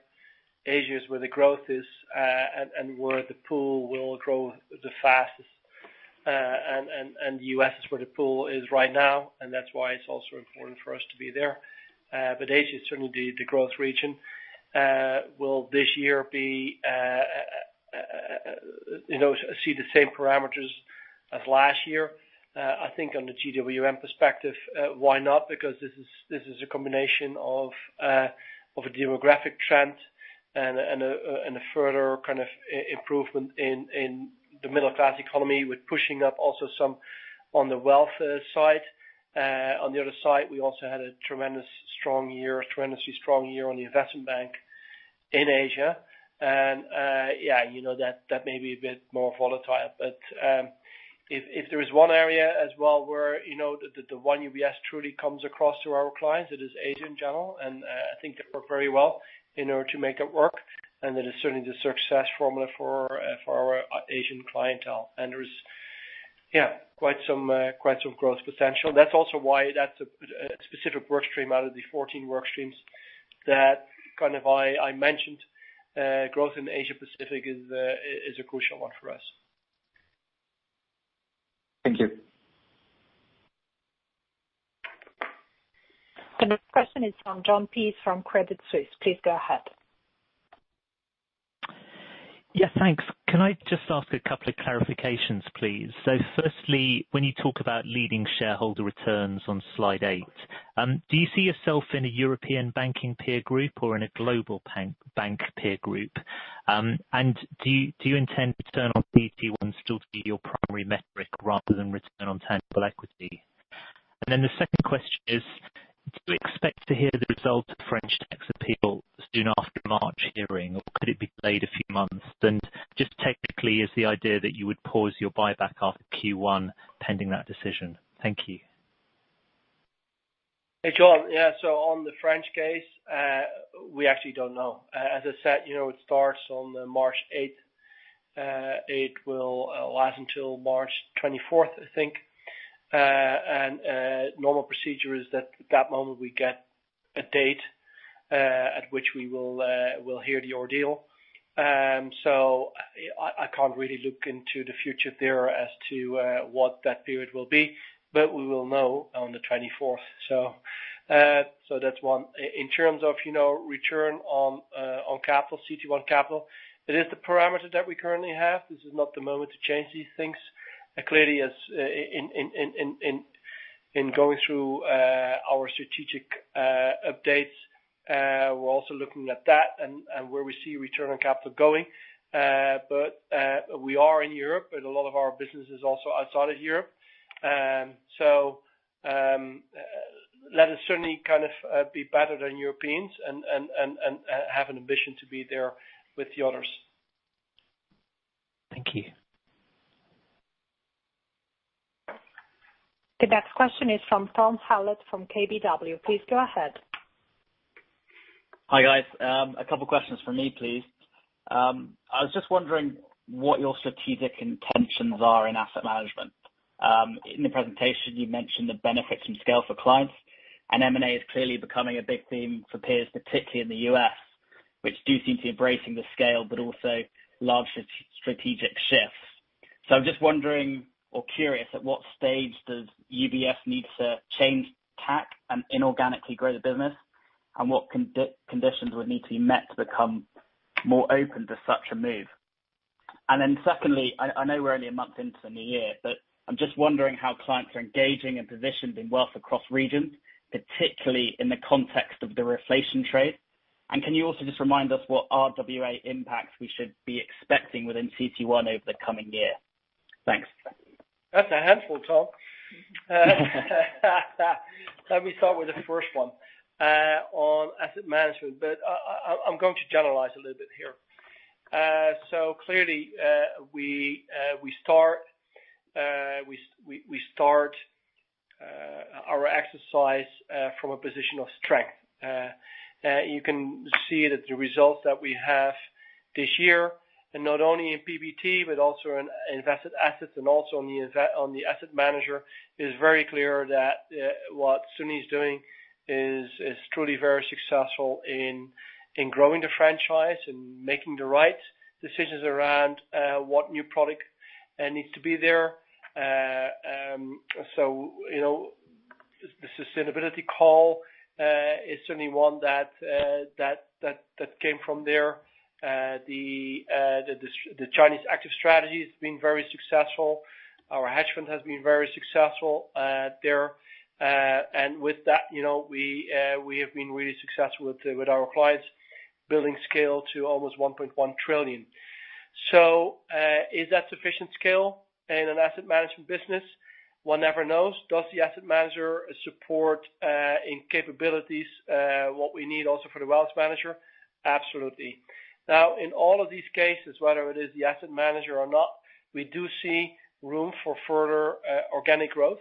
Asia is where the growth is, and where the pool will grow the fastest. U.S. is where the pool is right now, and that's why it's also important for us to be there. Asia is certainly the growth region. Will this year see the same parameters as last year? I think on the GWM perspective, why not? This is a combination of a demographic trend and a further improvement in the middle-class economy, with pushing up also some on the wealth side. On the other side, we also had a tremendously strong year on the investment bank in Asia, and that may be a bit more volatile. If there is one area as well where the One UBS truly comes across to our clients, it is Asia in general, and I think they work very well in order to make it work, and that is certainly the success formula for our Asian clientele. There is quite some growth potential. That's also why that's a specific work stream out of the 14 work streams that I mentioned, growth in Asia-Pacific is a crucial one for us. Thank you. The next question is from Jon Peace from Credit Suisse. Please go ahead. Yes, thanks. Can I just ask a couple of clarifications, please? Firstly, when you talk about leading shareholder returns on slide eight, do you see yourself in a European banking peer group or in a global bank peer group? Do you intend return on CET1 to still be your primary metric rather than return on tangible equity? The second question is: Do you expect to hear the result of the French tax case soon after March hearing, or could it be delayed a few months? Just technically, is the idea that you would pause your buyback after Q1 pending that decision? Thank you. Hey, Jon. Yeah, on the French tax case, we actually don't know. As I said, it starts on March 8th. It will last until March 24th, I think. Normal procedure is that at that moment, we get a date at which we'll hear the ordeal. I can't really look into the future there as to what that period will be, but we will know on the 24th. That's one. In terms of return on capital, CET1 capital, it is the parameter that we currently have. This is not the moment to change these things. Clearly, in going through our strategic updates, we're also looking at that and where we see return on capital going. We are in Europe, and a lot of our business is also outside of Europe. Let us certainly be better than Europeans and have an ambition to be there with the others. Thank you. The next question is from Tom Hallett from KBW. Please go ahead. Hi, guys. A couple questions from me, please. I was just wondering what your strategic intentions are in asset management. In the presentation, you mentioned the benefits and scale for clients. M&A is clearly becoming a big theme for peers, particularly in the U.S., which do seem to be embracing the scale, but also larger strategic shifts. I'm just wondering or curious at what stage does UBS need to change tack and inorganically grow the business, and what conditions would need to be met to become more open to such a move? Secondly, I know we're only a month into the new year, but I'm just wondering how clients are engaging and positioned in wealth across regions, particularly in the context of the reflation trade. Can you also just remind us what RWA impacts we should be expecting within CET1 over the coming year? Thanks. That's a handful, Tom. Let me start with the first one on asset management, but I'm going to generalize a little bit here. Clearly, we start our exercise from a position of strength. You can see that the results that we have this year, and not only in PBT, but also in invested assets and also on the asset manager, is very clear that what Suni is doing is truly very successful in growing the franchise and making the right decisions around what new product needs to be there. The sustainability call is certainly one that came from there. The Chinese active strategy has been very successful. Our hedge fund has been very successful there. With that, we have been really successful with our clients, building scale to almost 1.1 trillion. Is that sufficient scale in an asset management business? One never knows. Does the asset manager support in capabilities what we need also for the wealth manager? Absolutely. In all of these cases, whether it is the asset manager or not, we do see room for further organic growth.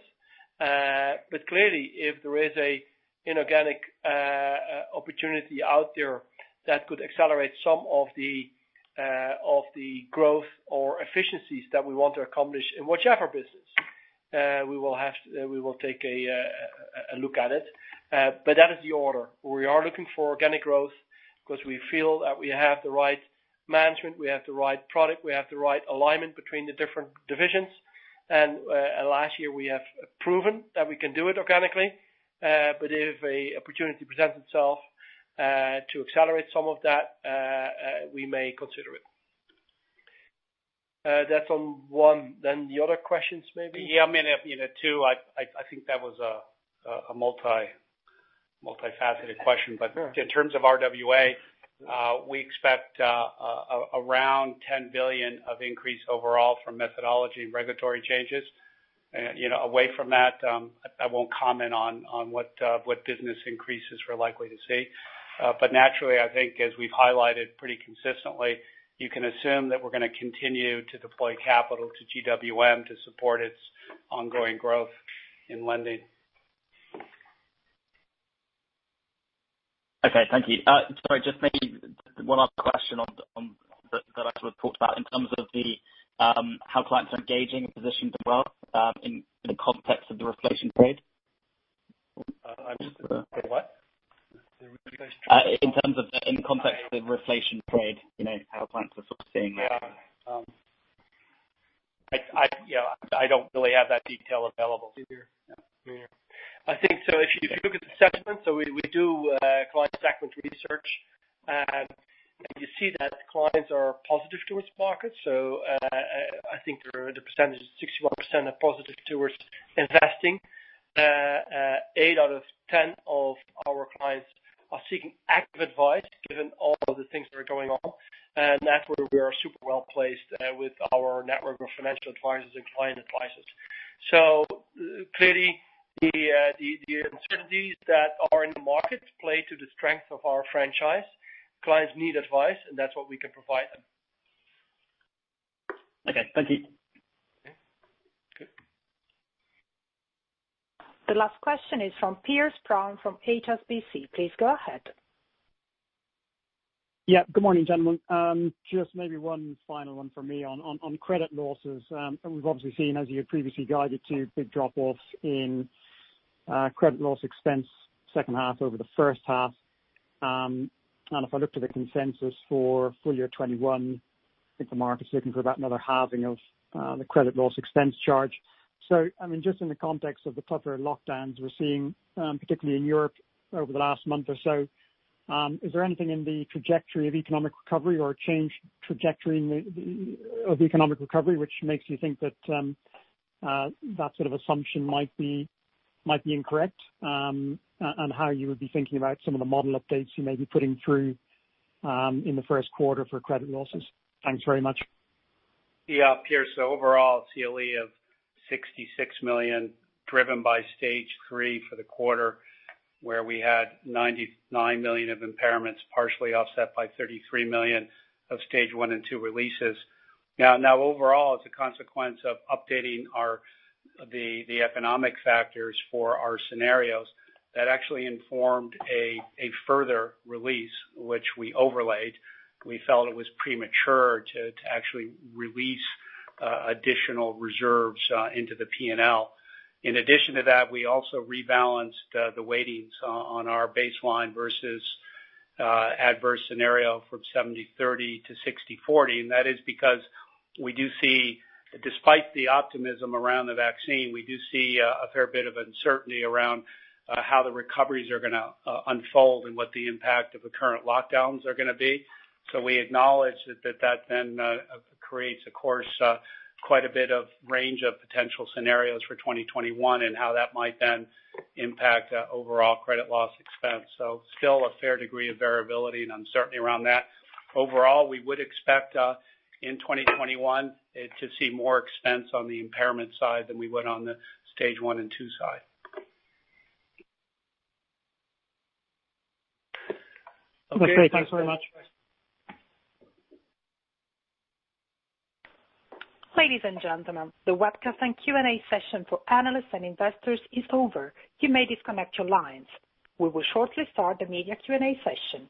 Clearly, if there is an inorganic opportunity out there that could accelerate some of the growth or efficiencies that we want to accomplish in whichever business, we will take a look at it. That is the order. We are looking for organic growth because we feel that we have the right management, we have the right product, we have the right alignment between the different divisions. Last year we have proven that we can do it organically. If an opportunity presents itself to accelerate some of that, we may consider it. That's on one. The other questions, maybe? Yeah. I think that was a multifaceted question. Sure. In terms of RWA, we expect around $10 billion of increase overall from methodology and regulatory changes. Away from that, I won't comment on what business increases we're likely to see. Naturally, I think as we've highlighted pretty consistently, you can assume that we're going to continue to deploy capital to GWM to support its ongoing growth in lending. Okay. Thank you. Sorry, just maybe one other question on that I sort of talked about in terms of how clients are engaging and positioned as well, in the context of the reflation trade. In what? The reflation trade. In terms of, in the context of the reflation trade, how clients are sort of seeing that. Yeah. I don't really have that detail available. Me either. I think if you look at the sentiment, so we do client sentiment research, and you see that clients are positive towards markets. I think the percentage is 61% are positive towards investing. Eight out of 10 of our clients are seeking active advice, given all of the things that are going on. That's where we are super well-placed with our network of financial advisors and client advisors. Clearly, the uncertainties that are in the market play to the strength of our franchise. Clients need advice, and that's what we can provide them. Okay. Thank you. Okay. Good. The last question is from Piers Brown from HSBC. Please go ahead. Yeah. Good morning, gentlemen. Just maybe one final one from me on credit losses. We've obviously seen, as you had previously guided to, big drop-offs in credit loss expense second half over the first half. If I look to the consensus for full year 2021, I think the market's looking for about another halving of the credit loss expense charge. Just in the context of the tougher lockdowns we're seeing, particularly in Europe over the last month or so, is there anything in the trajectory of economic recovery or a changed trajectory of economic recovery which makes you think that sort of assumption might be incorrect? How you would be thinking about some of the model updates you may be putting through in the first quarter for credit losses. Thanks very much. Piers. Overall, CLE of $66 million driven by Stage 3 for the quarter, where we had $99 million of impairments partially offset by $33 million of Stage 1 and Stage 2 releases. Overall, as a consequence of updating the economic factors for our scenarios, that actually informed a further release, which we overlaid. We felt it was premature to actually release additional reserves into the P&L. In addition to that, we also rebalanced the weightings on our baseline versus adverse scenario from 70/30 to 60/40. That is because despite the optimism around the vaccine, we do see a fair bit of uncertainty around how the recoveries are going to unfold and what the impact of the current lockdowns are going to be. We acknowledge that that then creates, of course, quite a bit of range of potential scenarios for 2021 and how that might then impact overall credit loss expense. Still a fair degree of variability and uncertainty around that. Overall, we would expect in 2021 to see more expense on the impairment side than we would on the Stage 1 and Stage 2 side. Okay. Thanks very much. Ladies and gentlemen, the webcast and Q&A session for analysts and investors is over. You may disconnect your lines. We will shortly start the media Q&A session.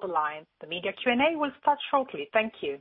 Please hold the line. The media Q&A will start shortly. Thank you.